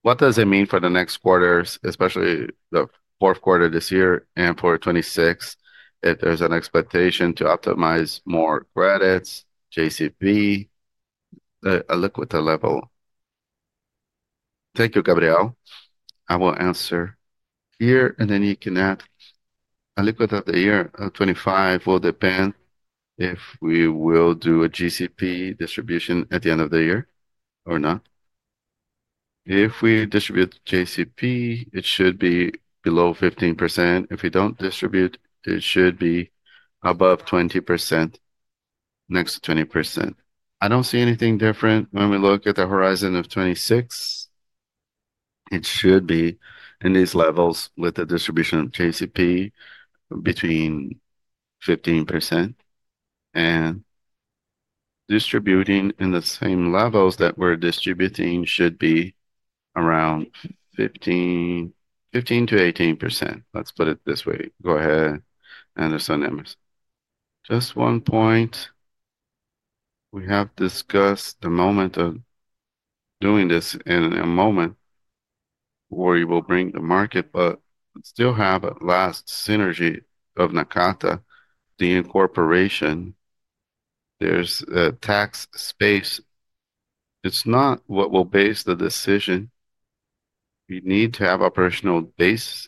what does it mean for the next quarters, especially the fourth quarter this year and for 2026, if there is an expectation to optimize more credits, JCP, aliquota level? Thank you, Gabriel. I will answer here, and then you can add. Aliquota of the year of 2025 will depend if we will do a JCP distribution at the end of the year or not. If we distribute JCP, it should be below 15%. If we do not distribute, it should be above 20%, next to 20%. I do not see anything different. When we look at the horizon of 2026, it should be in these levels with the distribution of JCP between 15% and distributing in the same levels that we're distributing should be around 15%-18%. Let's put it this way. Go ahead, Anderson. Just one point. We have discussed the moment of doing this in a moment where we will bring the market, but still have a last synergy of Nakata the incorporation. There's a tax space. It's not what will base the decision. We need to have operational base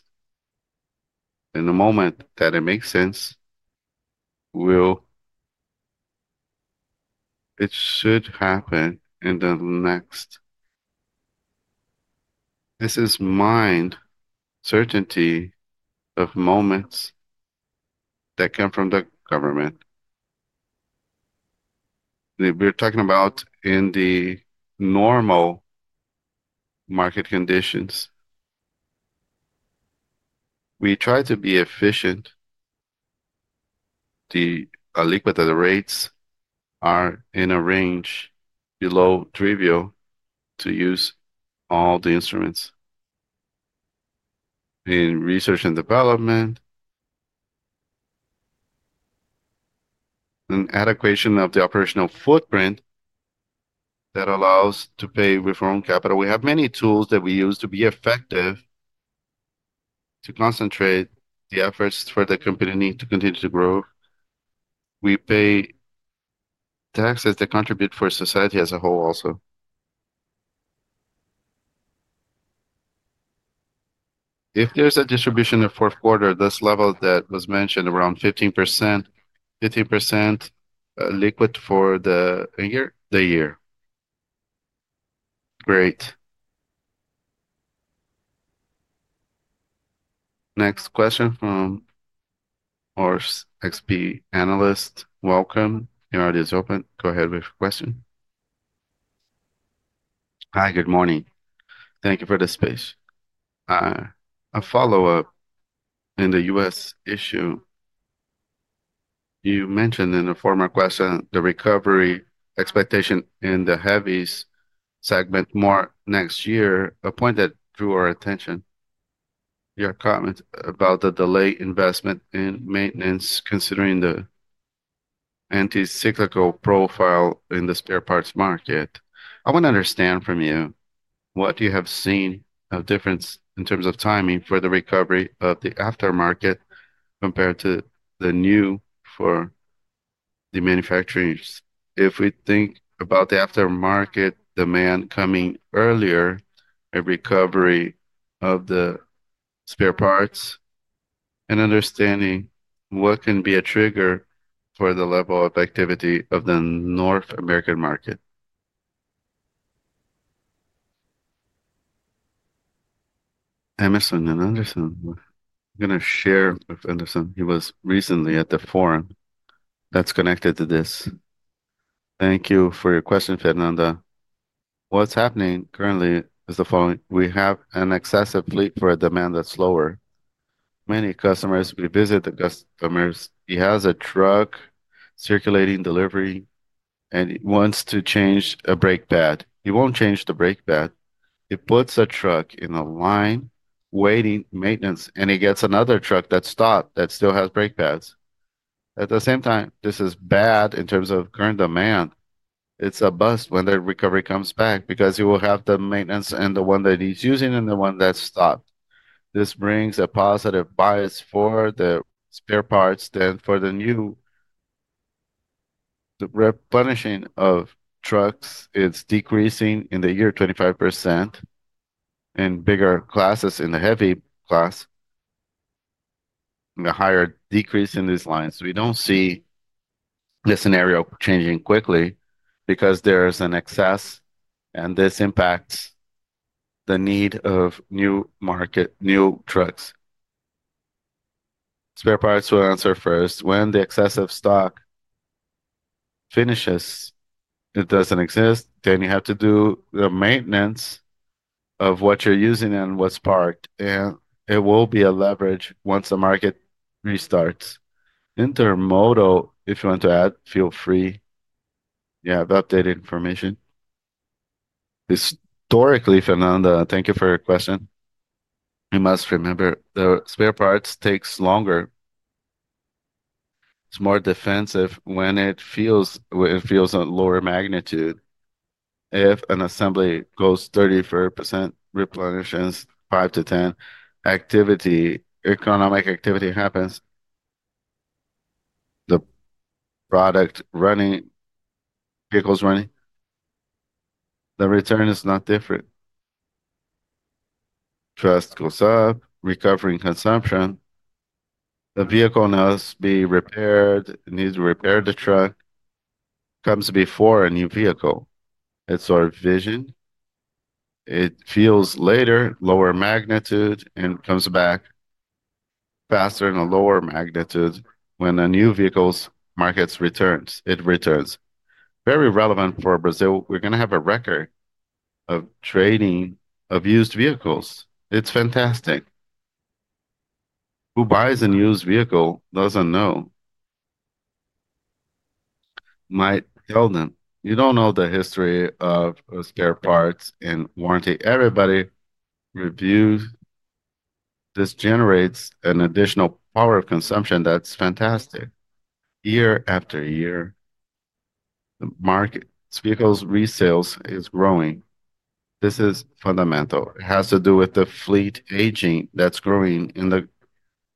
in the moment that it makes sense. It should happen in the next. This is my certainty of moments that come from the government. We're talking about in the normal market conditions. We try to be efficient. The aliquota rates are in a range below trivial to use all the instruments in research and development. An adequation of the operational footprint that allows to pay reform capital. We have many tools that we use to be effective to concentrate the efforts for the company to continue to grow. We pay taxes that contribute for society as a whole also. If there's a distribution of fourth quarter, this level that was mentioned around 15%, 15% liquid for the year. The year. Great. Next question from our XP analyst. Welcome. Your audience is open. Go ahead with your question. Hi, good morning. Thank you for the space. A follow-up in the U.S. issue. You mentioned in a former question the recovery expectation in the heavies segment more next year, a point that drew our attention. Your comment about the delayed investment in maintenance considering the anti-cyclical profile in the spare parts market. I want to understand from you what you have seen of difference in terms of timing for the recovery of the aftermarket compared to the new for the manufacturers. If we think about the aftermarket demand coming earlier, a recovery of the spare parts and understanding what can be a trigger for the level of activity of the North American market. Emerson and Anderson. I'm going to share with Anderson. He was recently at the forum that's connected to this. Thank you for your question, Fernanda. What's happening currently is the following. We have an excessive fleet for a demand that's lower. Many customers revisit the customers. He has a truck circulating delivery, and he wants to change a brake pad. He won't change the brake pad. He puts a truck in a line waiting maintenance, and he gets another truck that's stopped that still has brake pads. At the same time, this is bad in terms of current demand. It is a bust when the recovery comes back because you will have the maintenance and the one that is using and the one that is stopped. This brings a positive bias for the spare parts than for the new. The replenishing of trucks is decreasing in the year 25% in bigger classes in the heavy class. The higher decrease in these lines. We do not see the scenario changing quickly because there is an excess, and this impacts the need of new market, new trucks. Spare parts will answer first. When the excessive stock finishes, it does not exist. You have to do the maintenance of what you are using and what is parked. It will be a leverage once the market restarts. Intermodal, if you want to add, feel free. You have updated information. Historically, Fernanda, thank you for your question. You must remember the spare parts take longer. It is more defensive when it feels lower magnitude. If an assembly goes 34%, replenishes 5%-10%, economic activity happens. The product running, vehicles running, the return is not different. Trust goes up, recovering consumption. The vehicle must be repaired, needs to repair the truck. Comes before a new vehicle. It is our vision. It feels later, lower magnitude, and comes back faster and a lower magnitude when a new vehicle's markets returns. It returns. Very relevant for Brazil. We are going to have a record of trading of used vehicles. It is fantastic. Who buys a used vehicle does not know. Mike Heldman, you do not know the history of spare parts and warranty. Everybody reviews. This generates an additional power of consumption that is fantastic. Year after year, the market vehicles resales is growing. This is fundamental. It has to do with the fleet aging that's growing in the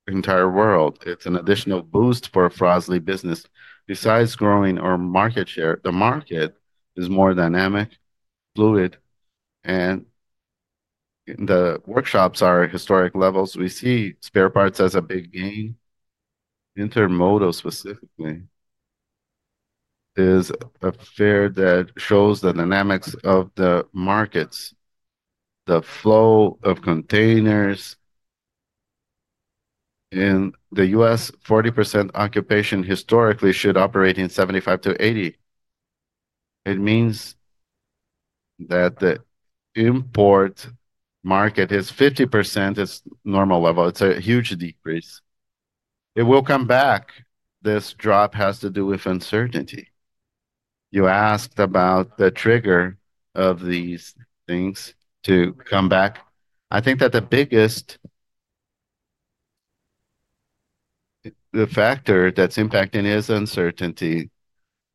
entire world. It's an additional boost for a Fras-le business. Besides growing our market share, the market is more dynamic, fluid, and the workshops are at historic levels. We see spare parts as a big gain. Intermodal specifically is a fair that shows the dynamics of the markets, the flow of containers. In the U.S., 40% occupation historically should operate in 75%-80%. It means that the import market is 50% its normal level. It's a huge decrease. It will come back. This drop has to do with uncertainty. You asked about the trigger of these things to come back. I think that the biggest factor that's impacting is uncertainty.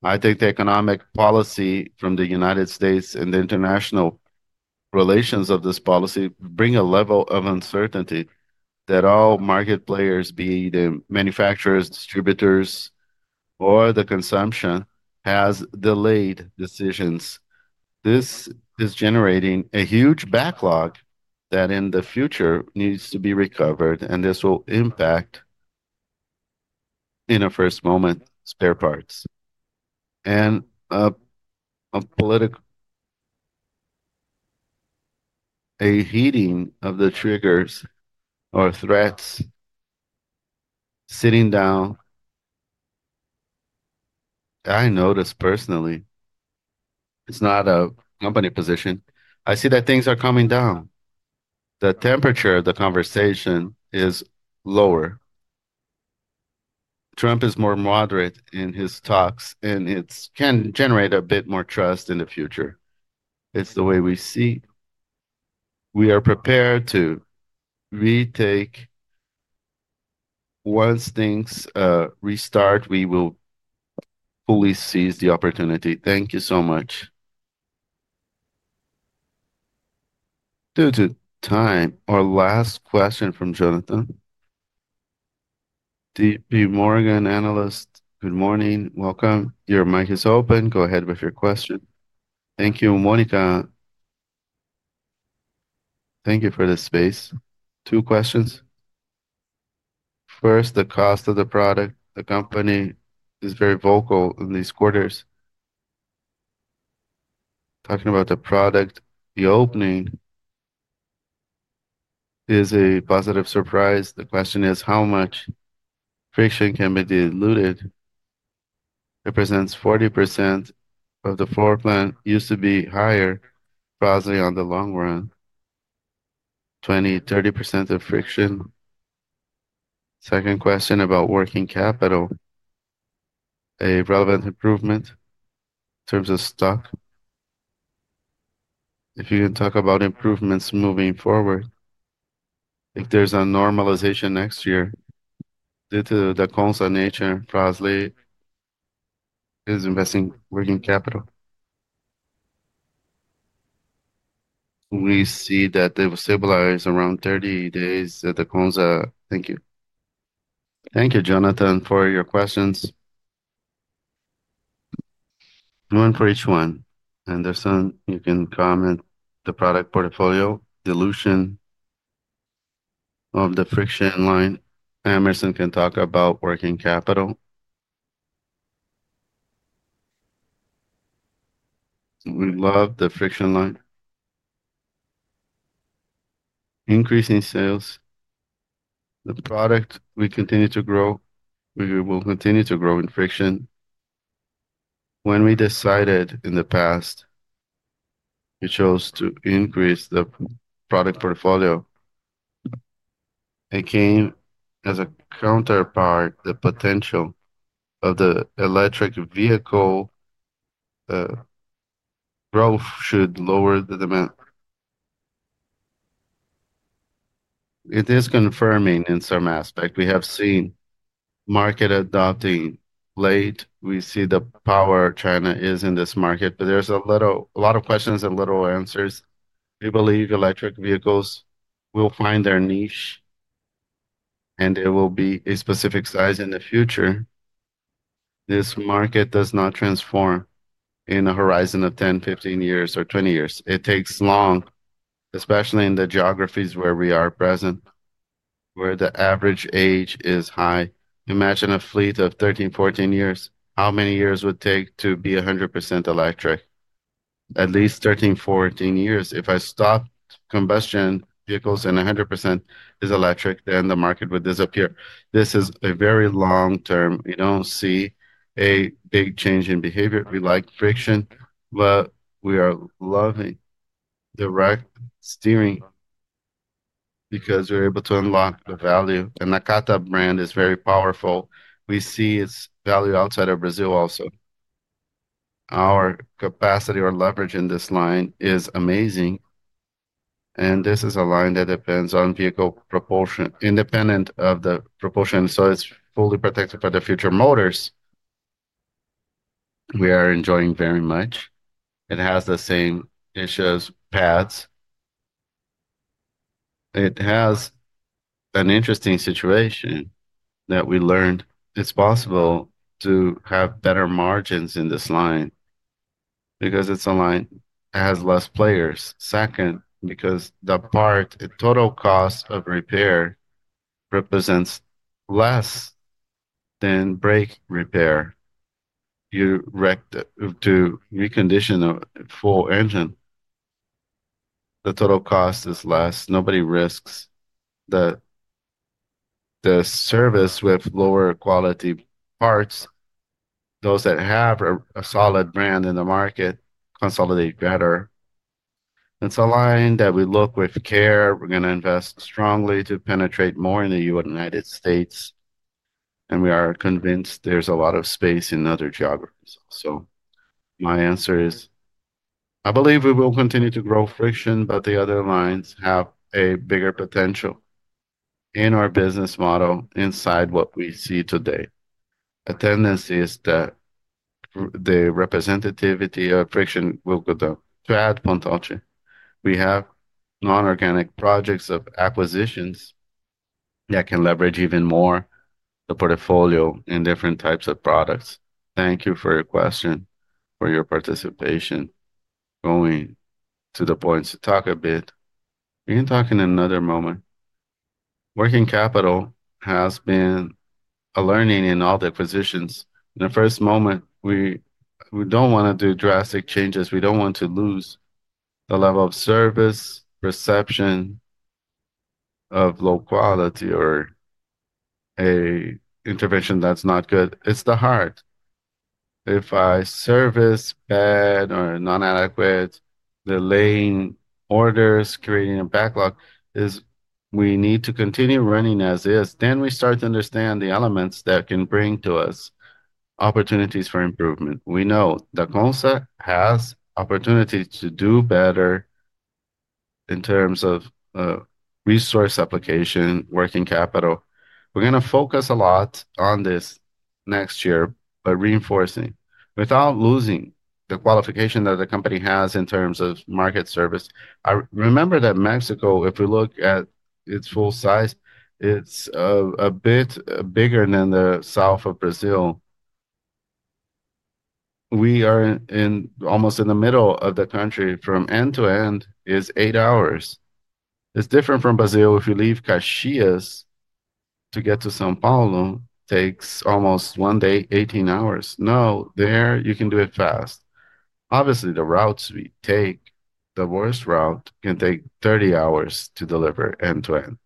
I think the economic policy from the United States and the international relations of this policy bring a level of uncertainty that all market players, be the manufacturers, distributors, or the consumption, has delayed decisions. This is generating a huge backlog that in the future needs to be recovered, and this will impact in a first moment spare parts. A political heating of the triggers or threats sitting down. I noticed personally, it's not a company position. I see that things are coming down. The temperature of the conversation is lower. Trump is more moderate in his talks, and it can generate a bit more trust in the future. It's the way we see. We are prepared to retake. Once things restart, we will fully seize the opportunity. Thank you so much. Due to time, our last question from Jonathan. JPMorgan Analyst, good morning. Welcome. Your mic is open. Go ahead with your question. Thank you, Monica. Thank you for the space. Two questions. First, the cost of the product. The company is very vocal in these quarters. Talking about the product, the opening is a positive surprise. The question is how much friction can be diluted. It presents 40% of the floor plan, used to be higher, probably on the long run. 20%-30% of friction. Second question about working capital. A relevant improvement in terms of stock. If you can talk about improvements moving forward. If there's a normalization next year due to Dacomsa nature, probably is investing working capital. We see that they will stabilize around 30 days at Dacomsa. Thank you. Thank you, Jonathan, for your questions. One for each one. Anderson, you can comment the product portfolio dilution of the friction line. Anderson can talk about working capital. We love the friction line. Increasing sales. The product, we continue to grow. We will continue to grow in friction. When we decided in the past, we chose to increase the product portfolio. It came as a counterpart, the potential of the electric vehicle growth should lower the demand. It is confirming in some aspect. We have seen market adopting late. We see the power of China is in this market, but there's a lot of questions and little answers. We believe electric vehicles will find their niche, and there will be a specific size in the future. This market does not transform in a horizon of 10, 15 years, or 20 years. It takes long, especially in the geographies where we are present, where the average age is high. Imagine a fleet of 13, 14 years. How many years would take to be 100% electric? At least 13 years-14 years. If I stopped combustion vehicles and 100% is electric, then the market would disappear. This is a very long term. We do not see a big change in behavior. We like friction, but we are loving direct steering because we are able to unlock the value. And the Nakata brand is very powerful. We see its value outside of Brazil also. Our capacity or leverage in this line is amazing. This is a line that depends on vehicle propulsion, independent of the propulsion. It is fully protected by the future motors. We are enjoying very much. It has the same issues as pads. It has an interesting situation that we learned. It is possible to have better margins in this line because it is a line that has fewer players. Second, because the part, the total cost of repair represents less than brake repair. You recondition a full engine. The total cost is less. Nobody risks the service with lower quality parts. Those that have a solid brand in the market consolidate better. It is a line that we look with care. We are going to invest strongly to penetrate more in the United States. We are convinced there is a lot of space in other geographies also. My answer is, I believe we will continue to grow friction, but the other lines have a bigger potential in our business model inside what we see today. A tendency is that the representativity of friction will go down. To add, Pontalti, we have non-organic projects of acquisitions that can leverage even more the portfolio in different types of products. Thank you for your question, for your participation. Going to the points to talk a bit. We can talk in another moment. Working capital has been a learning in all the acquisitions. In the first moment, we do not want to do drastic changes. We do not want to lose the level of service, perception of low quality, or an intervention that is not good. It is the heart. If I service bad or non-adequate, delaying orders, creating a backlog, we need to continue running as is. Then we start to understand the elements that can bring to us opportunities for improvement. We know that Dacomsa has opportunities to do better in terms of resource application, working capital. We are going to focus a lot on this next year, but reinforcing without losing the qualification that the company has in terms of market service. I remember that Mexico, if we look at its full size, it is a bit bigger than the south of Brazil. We are almost in the middle of the country. From end to end is eight hours. It is different from Brazil. If you leave Caxias to get to São Paulo, it takes almost one day, 18 hours. No, there you can do it fast. Obviously, the routes we take, the worst route can take 30 hours to deliver end to end.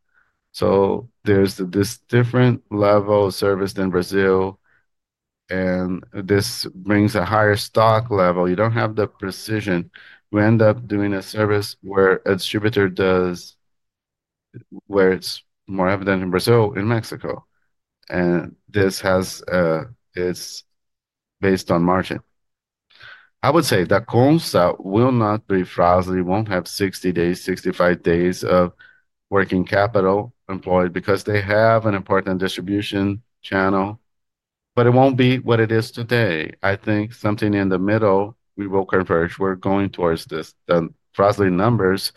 There is this different level of service than Brazil. This brings a higher stock level. You do not have the precision. We end up doing a service where a distributor does, where it is more evident in Brazil, in Mexico. This is based on margin. I would say Dacomsa will not be Fras-le. It will not have 60 days, 65 days of working capital employed because they have an important distribution channel. It will not be what it is today. I think something in the middle, we will converge. We are going towards this. The Fras-le numbers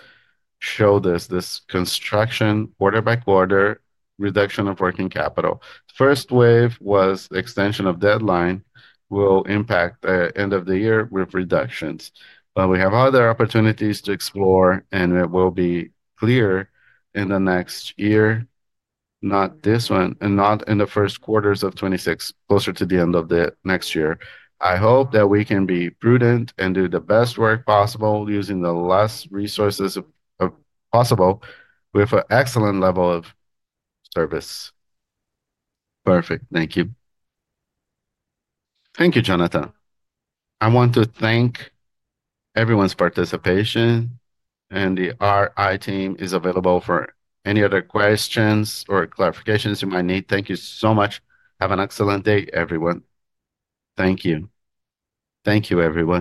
show this, this construction order by quarter reduction of working capital. The first wave was extension of deadline will impact the end of the year with reductions. We have other opportunities to explore, and it will be clear in the next year, not this one and not in the first quarters of 2026, closer to the end of the next year. I hope that we can be prudent and do the best work possible using the less resources possible with an excellent level of service. Perfect. Thank you. Thank you, Jonathan. I want to thank everyone's participation. The RI team is available for any other questions or clarifications you might need. Thank you so much. Have an excellent day, everyone. Thank you. Thank you, everyone.